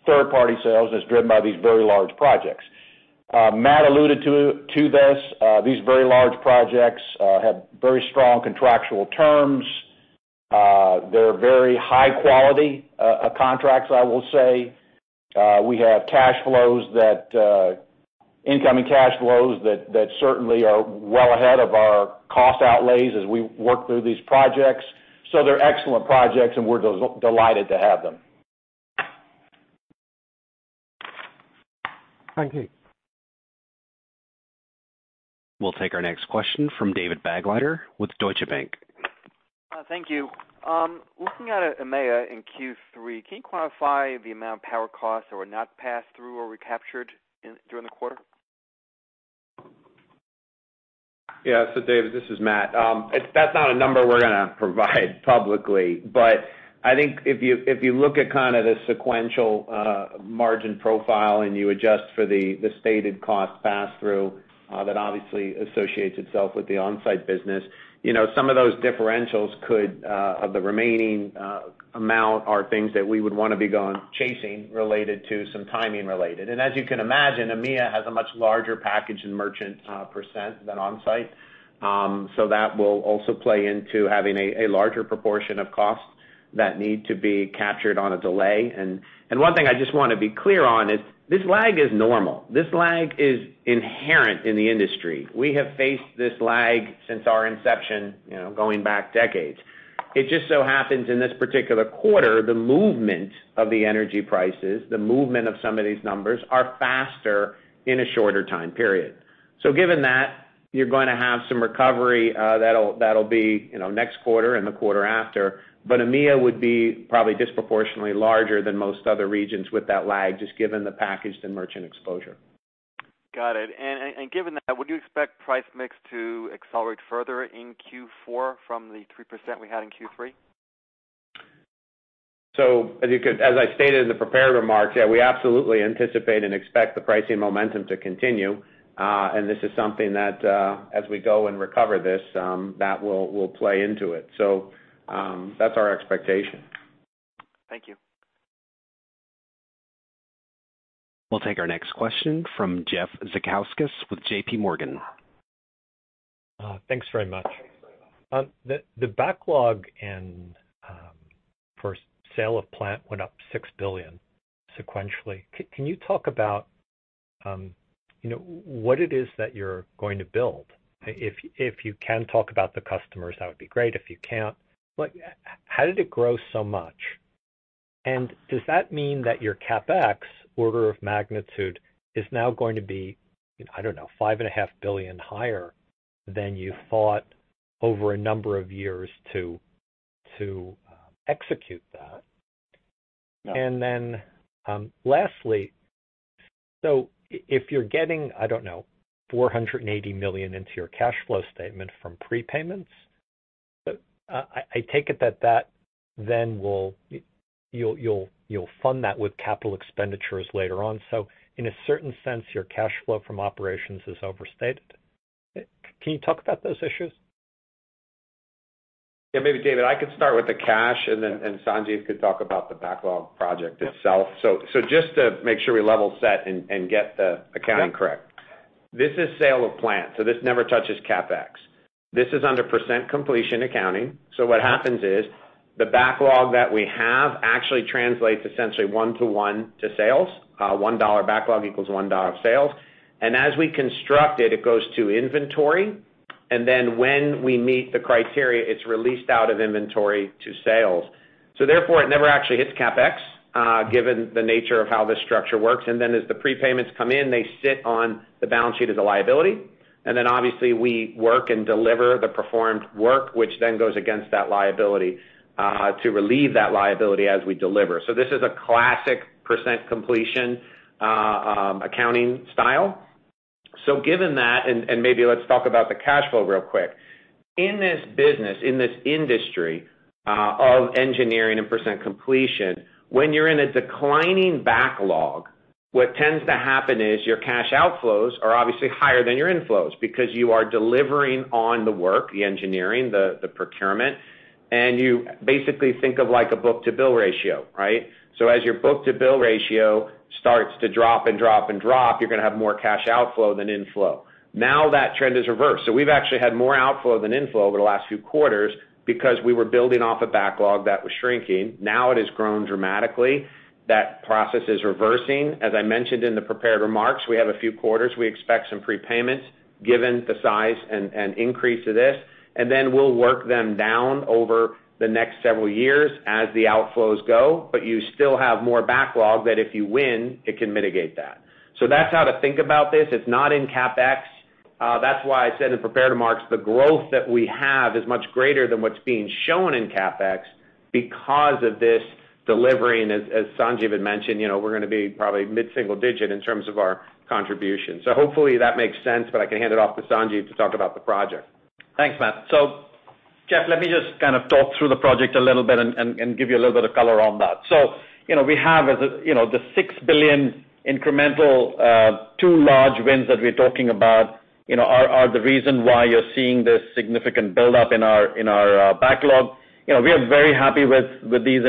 third-party sales that's driven by these very large projects. Matt alluded to this. These very large projects have very strong contractual terms. They're very high quality contracts, I will say. We have cash flows, incoming cash flows that certainly are well ahead of our cost outlays as we work through these projects. They're excellent projects, and we're delighted to have them. Thank you. We'll take our next question from David Begleiter with Deutsche Bank. Thank you. Looking at EMEA in Q3, can you quantify the amount of power costs that were not passed through or recaptured during the quarter? Yeah. David, this is Matt. That's not a number we're gonna provide publicly. I think if you look at kind of the sequential margin profile and you adjust for the stated cost pass-through that obviously associates itself with the on-site business, you know, some of those differentials, the remaining amount, are things that we would wanna be chasing related to some timing related. As you can imagine, EMEA has a much larger package in merchant percent than on-site. That will also play into having a larger proportion of costs that need to be captured on a delay. One thing I just wanna be clear on is this lag is normal. This lag is inherent in the industry. We have faced this lag since our inception, you know, going back decades. It just so happens in this particular quarter, the movement of the energy prices, the movement of some of these numbers are faster in a shorter time period. Given that, you're gonna have some recovery, that'll be, you know, next quarter and the quarter after. EMEA would be probably disproportionately larger than most other regions with that lag, just given the packaged and merchant exposure. Got it. Given that, would you expect price mix to accelerate further in Q4 from the 3% we had in Q3? As I stated in the prepared remarks, yeah, we absolutely anticipate and expect the pricing momentum to continue. This is something that, as we go and recover this, that will play into it. That's our expectation. Thank you. We'll take our next question from Jeff Zekauskas with JPMorgan. Thanks very much. The backlog and for sale of plant went up $6 billion sequentially. Can you talk about you know what it is that you're going to build? If you can talk about the customers, that would be great. If you can't, but how did it grow so much? Does that mean that your CapEx order of magnitude is now going to be, I don't know, $5.5 billion higher than you thought over a number of years to execute that? Yeah. Lastly, if you're getting, I don't know, $480 million into your cash flow statement from prepayments, I take it that you'll fund that with capital expenditures later on. In a certain sense, your cash flow from operations is overstated. Can you talk about those issues? Yeah. Maybe David, I can start with the cash, and then Sanjiv could talk about the backlog project itself. Just to make sure we level set and get the accounting correct. This is sale of plant, so this never touches CapEx. This is under percent completion accounting. What happens is the backlog that we have actually translates essentially one-to-one to sales. $1 backlog equals $1 of sales. As we construct it goes to inventory, and then when we meet the criteria, it's released out of inventory to sales. Therefore, it never actually hits CapEx, given the nature of how this structure works. Then as the prepayments come in, they sit on the balance sheet as a liability. Obviously, we work and deliver the performed work, which then goes against that liability, to relieve that liability as we deliver. This is a classic percent completion accounting style. Given that, and maybe let's talk about the cash flow real quick. In this business, in this industry, of engineering and percent completion, when you're in a declining backlog, what tends to happen is your cash outflows are obviously higher than your inflows because you are delivering on the work, the engineering, the procurement, and you basically think of like a book-to-bill ratio, right? As your book-to-bill ratio starts to drop and drop and drop, you're gonna have more cash outflow than inflow. Now that trend is reversed. We've actually had more outflow than inflow over the last few quarters because we were building off a backlog that was shrinking. Now it has grown dramatically. That process is reversing. As I mentioned in the prepared remarks, we have a few quarters. We expect some prepayments given the size and increase of this, and then we'll work them down over the next several years as the outflows go. But you still have more backlog that if you win, it can mitigate that. So that's how to think about this. It's not in CapEx. That's why I said in prepared remarks, the growth that we have is much greater than what's being shown in CapEx because of this delivery. As Sanjiv had mentioned, you know, we're gonna be probably mid-single digit in terms of our contribution. So hopefully that makes sense, but I can hand it off to Sanjiv to talk about the project. Thanks, Matt. Jeff, let me just kind of talk through the project a little bit and give you a little bit of color on that. You know, we have, as you know, the $6 billion incremental two large wins that we're talking about, you know, are the reason why you're seeing this significant buildup in our backlog. You know, we are very happy with these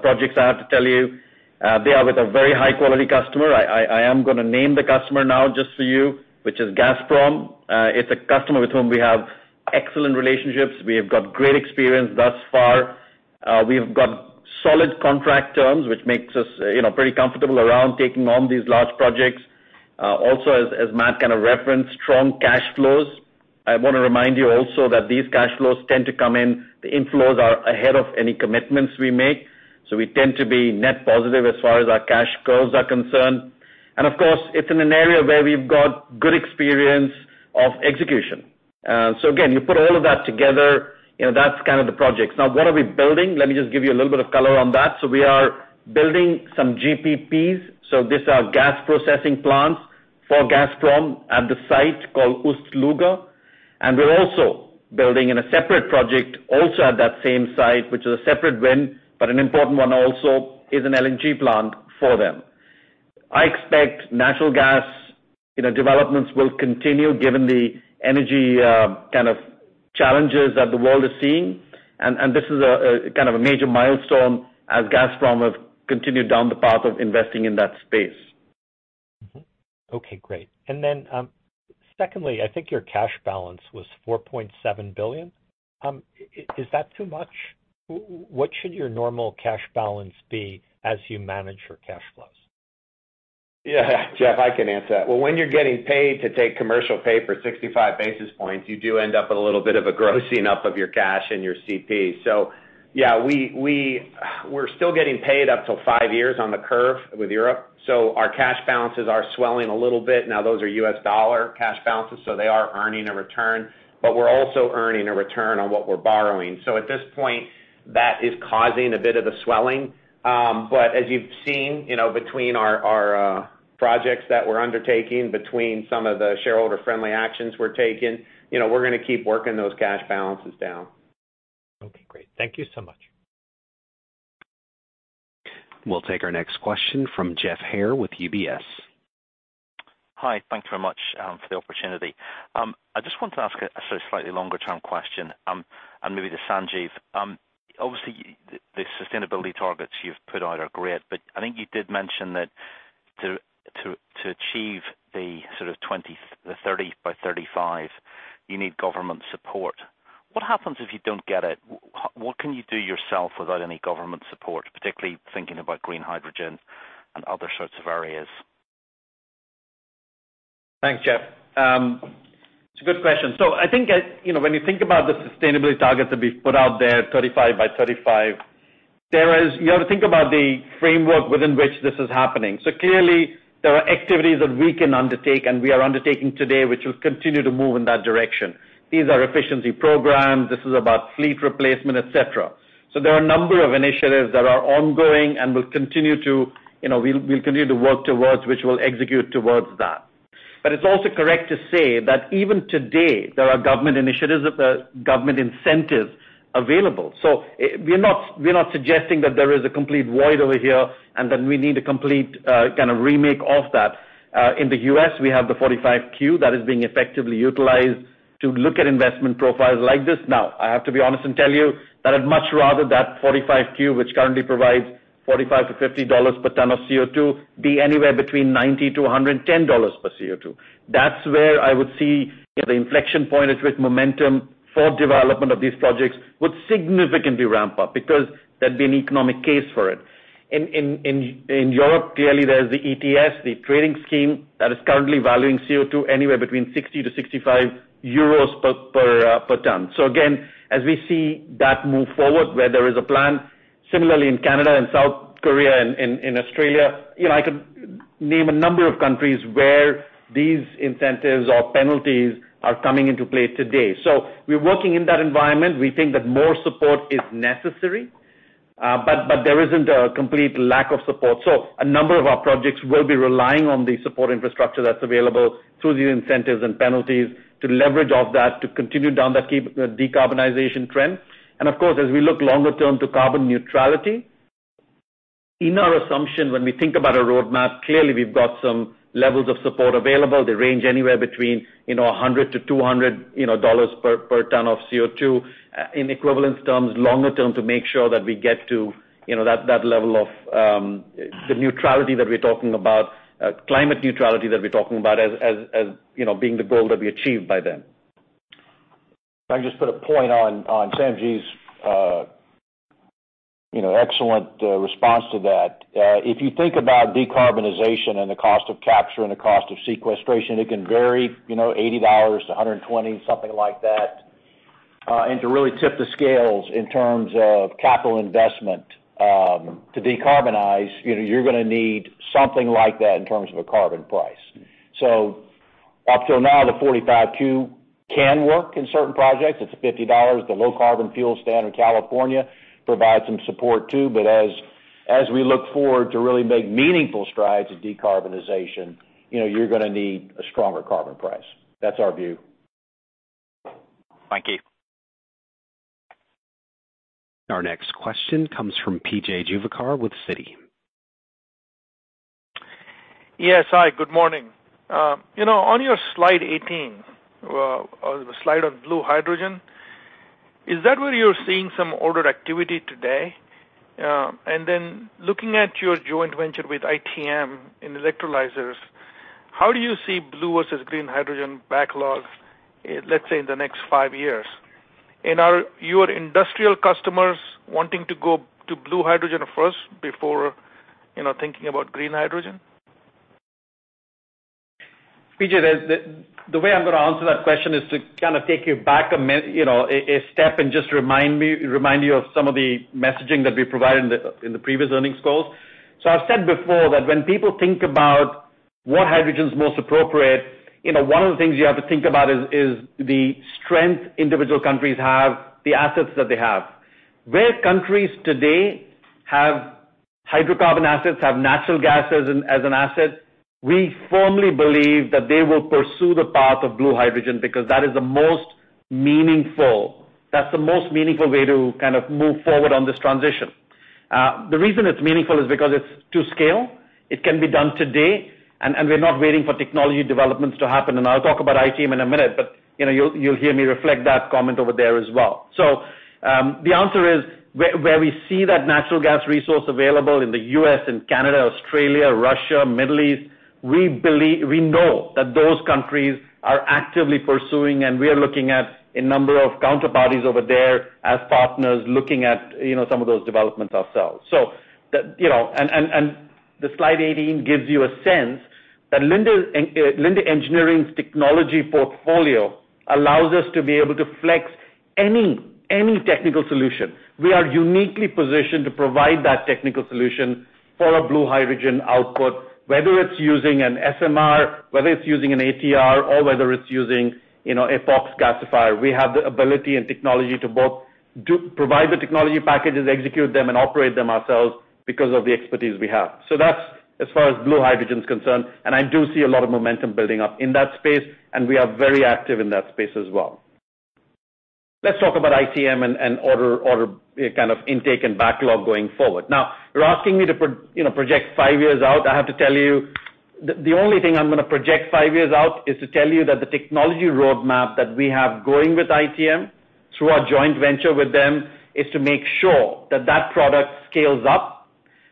projects, I have to tell you. They are with a very high-quality customer. I am gonna name the customer now just for you, which is Gazprom. It's a customer with whom we have excellent relationships. We have got great experience thus far. We've got solid contract terms, which makes us, you know, pretty comfortable around taking on these large projects. Also, as Matt kind of referenced, strong cash flows. I wanna remind you also that these cash flows tend to come in. The inflows are ahead of any commitments we make, so we tend to be net positive as far as our cash goals are concerned. Of course, it's in an area where we've got good experience of execution. Again, you put all of that together, you know, that's kind of the projects. Now, what are we building? Let me just give you a little bit of color on that. We are building some GPPs, so these are gas processing plants for Gazprom at the site called Ust-Luga. We're also building in a separate project also at that same site, which is a separate win, but an important one also is an LNG plant for them. I expect natural gas, you know, developments will continue given the energy, kind of challenges that the world is seeing. This is a kind of major milestone as Gazprom have continued down the path of investing in that space. Okay, great. Secondly, I think your cash balance was $4.7 billion. Is that too much? What should your normal cash balance be as you manage your cash flows? Yeah, Jeff, I can answer that. Well, when you're getting paid to take commercial paper 65 basis points, you do end up with a little bit of a grossing up of your cash and your CP. Yeah, we're still getting paid up to 5 years on the curve with Europe, so our cash balances are swelling a little bit. Now, those are U.S. dollar cash balances, so they are earning a return, but we're also earning a return on what we're borrowing. At this point, that is causing a bit of the swelling. As you've seen, you know, between our projects that we're undertaking, between some of the shareholder-friendly actions we're taking, you know, we're gonna keep working those cash balances down. Okay, great. Thank you so much. We'll take our next question from Geoff Haire with UBS. Hi. Thank you very much for the opportunity. I just want to ask a sort of slightly longer-term question, and maybe to Sanjiv. Obviously, the sustainability targets you've put out are great, but I think you did mention that to achieve the 30 by 35, you need government support. What happens if you don't get it? What can you do yourself without any government support, particularly thinking about green hydrogen and other sorts of areas? Thanks, Jeff. It's a good question. I think, you know, when you think about the sustainability targets that we've put out there, 35 by 35, there is. You have to think about the framework within which this is happening. Clearly, there are activities that we can undertake and we are undertaking today, which will continue to move in that direction. These are efficiency programs, this is about fleet replacement, et cetera. There are a number of initiatives that are ongoing and will continue to, you know, we'll continue to work towards which we'll execute towards that. It's also correct to say that even today, there are government initiatives or the government incentives available. We're not suggesting that there is a complete void over here and that we need a complete kind of remake of that. In the U.S., we have the 45Q that is being effectively utilized to look at investment profiles like this. Now, I have to be honest and tell you that I'd much rather that 45Q, which currently provides $45-$50 per ton of CO2, be anywhere between $90-$110 per CO2. That's where I would see the inflection point at which momentum for development of these projects would significantly ramp up because there'd be an economic case for it. In Europe, clearly, there's the ETS, the trading scheme that is currently valuing CO2 anywhere between 60-65 euros per ton. Again, as we see that move forward, where there is a plan similarly in Canada and South Korea and in Australia, you know, I could name a number of countries where these incentives or penalties are coming into play today. We're working in that environment. We think that more support is necessary. But there isn't a complete lack of support. A number of our projects will be relying on the support infrastructure that's available through the incentives and penalties to leverage off that to continue down that decarbonization trend. Of course, as we look longer term to carbon neutrality, in our assumption, when we think about a roadmap, clearly we've got some levels of support available. They range anywhere between, you know, $100-$200 per ton of CO2 in equivalence terms, longer term, to make sure that we get to, you know, that level of the neutrality that we're talking about, climate neutrality that we're talking about as you know being the goal that we achieve by then. Can I just put a point on Sanjiv's you know excellent response to that. If you think about decarbonization and the cost of capture and the cost of sequestration, it can vary, you know, $80-$120, something like that. And to really tip the scales in terms of capital investment to decarbonize, you know, you're gonna need something like that in terms of a carbon price. Up till now, the 45Q can work in certain projects. It's $50. The Low Carbon Fuel Standard in California provides some support too. As we look forward to really make meaningful strides in decarbonization, you know, you're gonna need a stronger carbon price. That's our view. Thank you. Our next question comes from PJ Juvekar with Citi. Yes. Hi, good morning. You know, on your slide 18, on the slide on blue hydrogen, is that where you're seeing some order activity today? Looking at your joint venture with ITM in electrolyzers, how do you see blue versus green hydrogen backlog, let's say, in the next 5 years? Are your industrial customers wanting to go to blue hydrogen first before, you know, thinking about green hydrogen? PJ, the way I'm gonna answer that question is to kind of take you back a step and just remind you of some of the messaging that we provided in the previous earnings calls. I've said before that when people think about what hydrogen is most appropriate, you know, one of the things you have to think about is the strength individual countries have, the assets that they have. Where countries today have hydrocarbon assets, have natural gas as an asset, we firmly believe that they will pursue the path of blue hydrogen, because that is the most meaningful way to kind of move forward on this transition. The reason it's meaningful is because it's to scale. It can be done today, and we're not waiting for technology developments to happen. I'll talk about ITM in a minute, but, you know, you'll hear me reflect that comment over there as well. The answer is where we see that natural gas resource available in the U.S. and Canada, Australia, Russia, Middle East. We know that those countries are actively pursuing, and we are looking at a number of counterparties over there as partners, looking at, you know, some of those developments ourselves. That, you know, the slide 18 gives you a sense that Linde Engineering's technology portfolio allows us to be able to flex any technical solution. We are uniquely positioned to provide that technical solution for a blue hydrogen output, whether it's using an SMR, whether it's using an ATR, or whether it's using, you know, a POX gasifier. We have the ability and technology to provide the technology packages, execute them, and operate them ourselves because of the expertise we have. That's as far as blue hydrogen is concerned, and I do see a lot of momentum building up in that space, and we are very active in that space as well. Let's talk about ITM and order intake and backlog going forward. Now, you're asking me to, you know, project 5 years out. I have to tell you, the only thing I'm gonna project five years out is to tell you that the technology roadmap that we have going with ITM through our joint venture with them is to make sure that that product scales up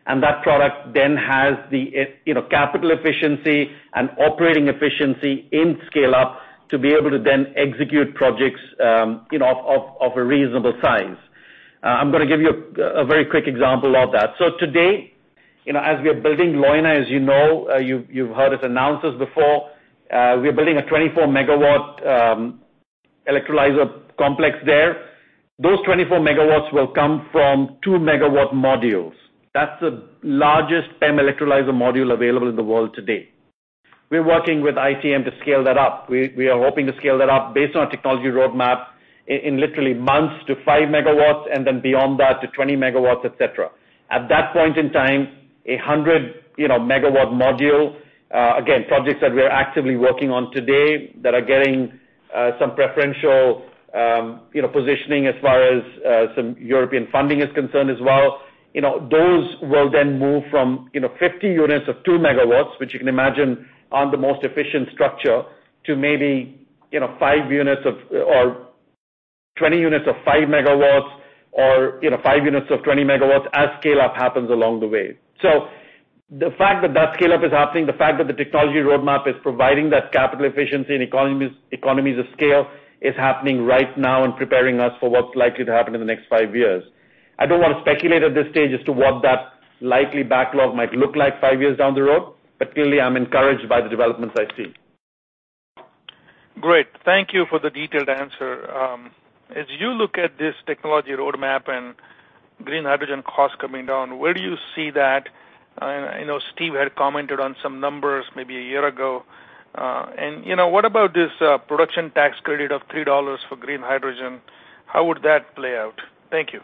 and that product then has the, you know, capital efficiency and operating efficiency in scale-up to be able to then execute projects, you know, of a reasonable size. I'm gonna give you a very quick example of that. Today, you know, as we are building Leuna, as you know, you've heard us announce this before, we're building a 24-MW electrolyzer complex there. Those 24 MW will come from 2-MW modules. That's the largest PEM electrolyzer module available in the world today. We're working with ITM to scale that up. We are hoping to scale that up based on technology roadmap in literally months to 5 MW and then beyond that to 20 MW, et cetera. At that point in time, a 100-MW module, again, projects that we're actively working on today that are getting some preferential, you know, positioning as far as some European funding is concerned as well. You know, those will then move from, you know, 50 units of 2 MW, which you can imagine aren't the most efficient structure, to maybe, you know, 5 units of, or 20 units of 5 MW or, you know, 5 units of 20 MW as scale-up happens along the way. The fact that scale-up is happening, the fact that the technology roadmap is providing that capital efficiency and economies of scale is happening right now and preparing us for what's likely to happen in the next five years. I don't wanna speculate at this stage as to what that likely backlog might look like five years down the road, but clearly I'm encouraged by the developments I see. Great. Thank you for the detailed answer. As you look at this technology roadmap and green hydrogen costs coming down, where do you see that? I know Steve had commented on some numbers maybe a year ago. You know, what about this Production Tax Credit of $3 for green hydrogen? How would that play out? Thank you.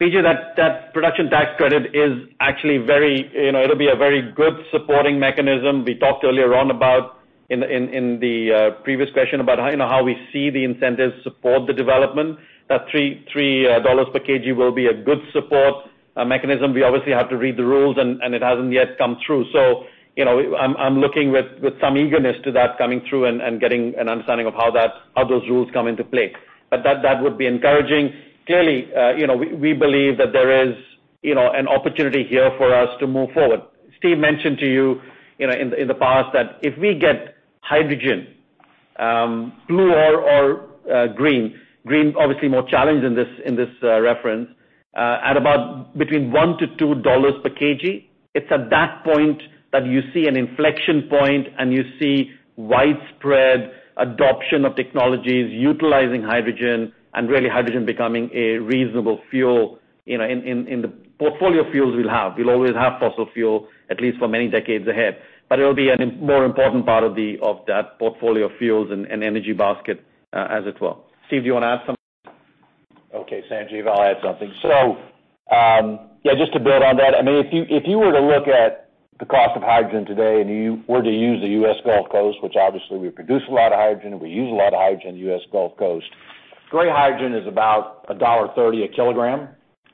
PJ, that Production Tax Credit is actually very, you know, it will be a very good supporting mechanism. We talked earlier on about in the previous question about how, you know, how we see the incentives support the development. That $3 per kg will be a good support mechanism. We obviously have to read the rules and it has not yet come through. You know, I'm looking with some eagerness to that coming through and getting an understanding of how those rules come into play. But that would be encouraging. Clearly, you know, we believe that there is, you know, an opportunity here for us to move forward. Steve mentioned to you know, in the past that if we get hydrogen, blue or green obviously more challenged in this reference, at about between $1-$2 per kg, it's at that point that you see an inflection point and you see widespread adoption of technologies utilizing hydrogen and really hydrogen becoming a reasonable fuel, you know, in the portfolio of fuels we'll have. We'll always have fossil fuel at least for many decades ahead, but it'll be a more important part of that portfolio of fuels and energy basket as it will. Steve, do you wanna add something? Okay, Sanjiv, I'll add something. Yeah, just to build on that, I mean, if you were to look at the cost of hydrogen today and you were to use the U.S. Gulf Coast, which obviously we produce a lot of hydrogen, we use a lot of hydrogen in the U.S. Gulf Coast, gray hydrogen is about $1.30 a kilogram,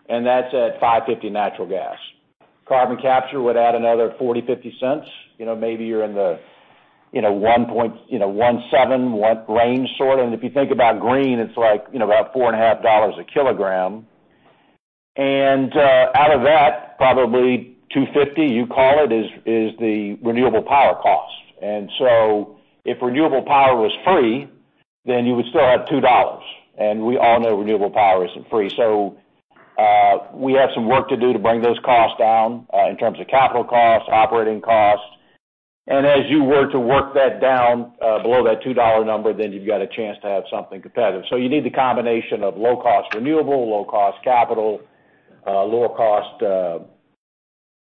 and that's at 5.50 natural gas. Carbon capture would add another 40-50 cents. You know, maybe you're in the 1.7 range sort of. If you think about green, it's like about 4.5 dollars a kilogram. Out of that, probably 2.50, you call it, is the renewable power cost. If renewable power was free, then you would still have $2, and we all know renewable power isn't free. We have some work to do to bring those costs down in terms of capital costs, operating costs. As you were to work that down below that $2 number, then you've got a chance to have something competitive. You need the combination of low cost renewable, low cost capital, lower cost,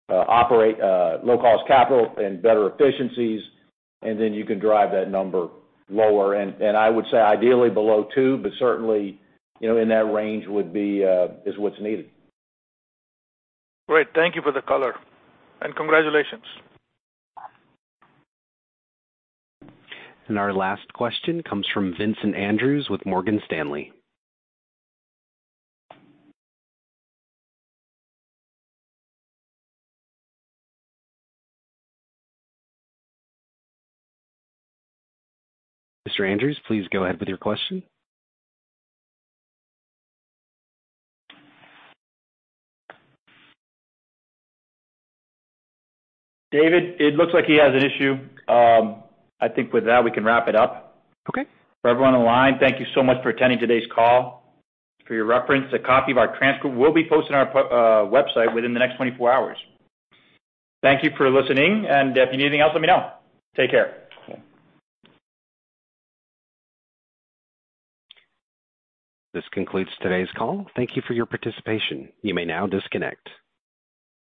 low cost capital and better efficiencies, and then you can drive that number lower. I would say ideally below $2, but certainly, you know, in that range would be is what's needed. Great. Thank you for the color, and congratulations. Our last question comes from Vincent Andrews with Morgan Stanley. Mr. Andrews, please go ahead with your question. David, it looks like he has an issue. I think with that, we can wrap it up. Okay. For everyone on the line, thank you so much for attending today's call. For your reference, a copy of our transcript will be posted on our website within the next 24 hours. Thank you for listening, and if you need anything else, let me know. Take care. This concludes today's call. Thank you for your participation. You may now disconnect.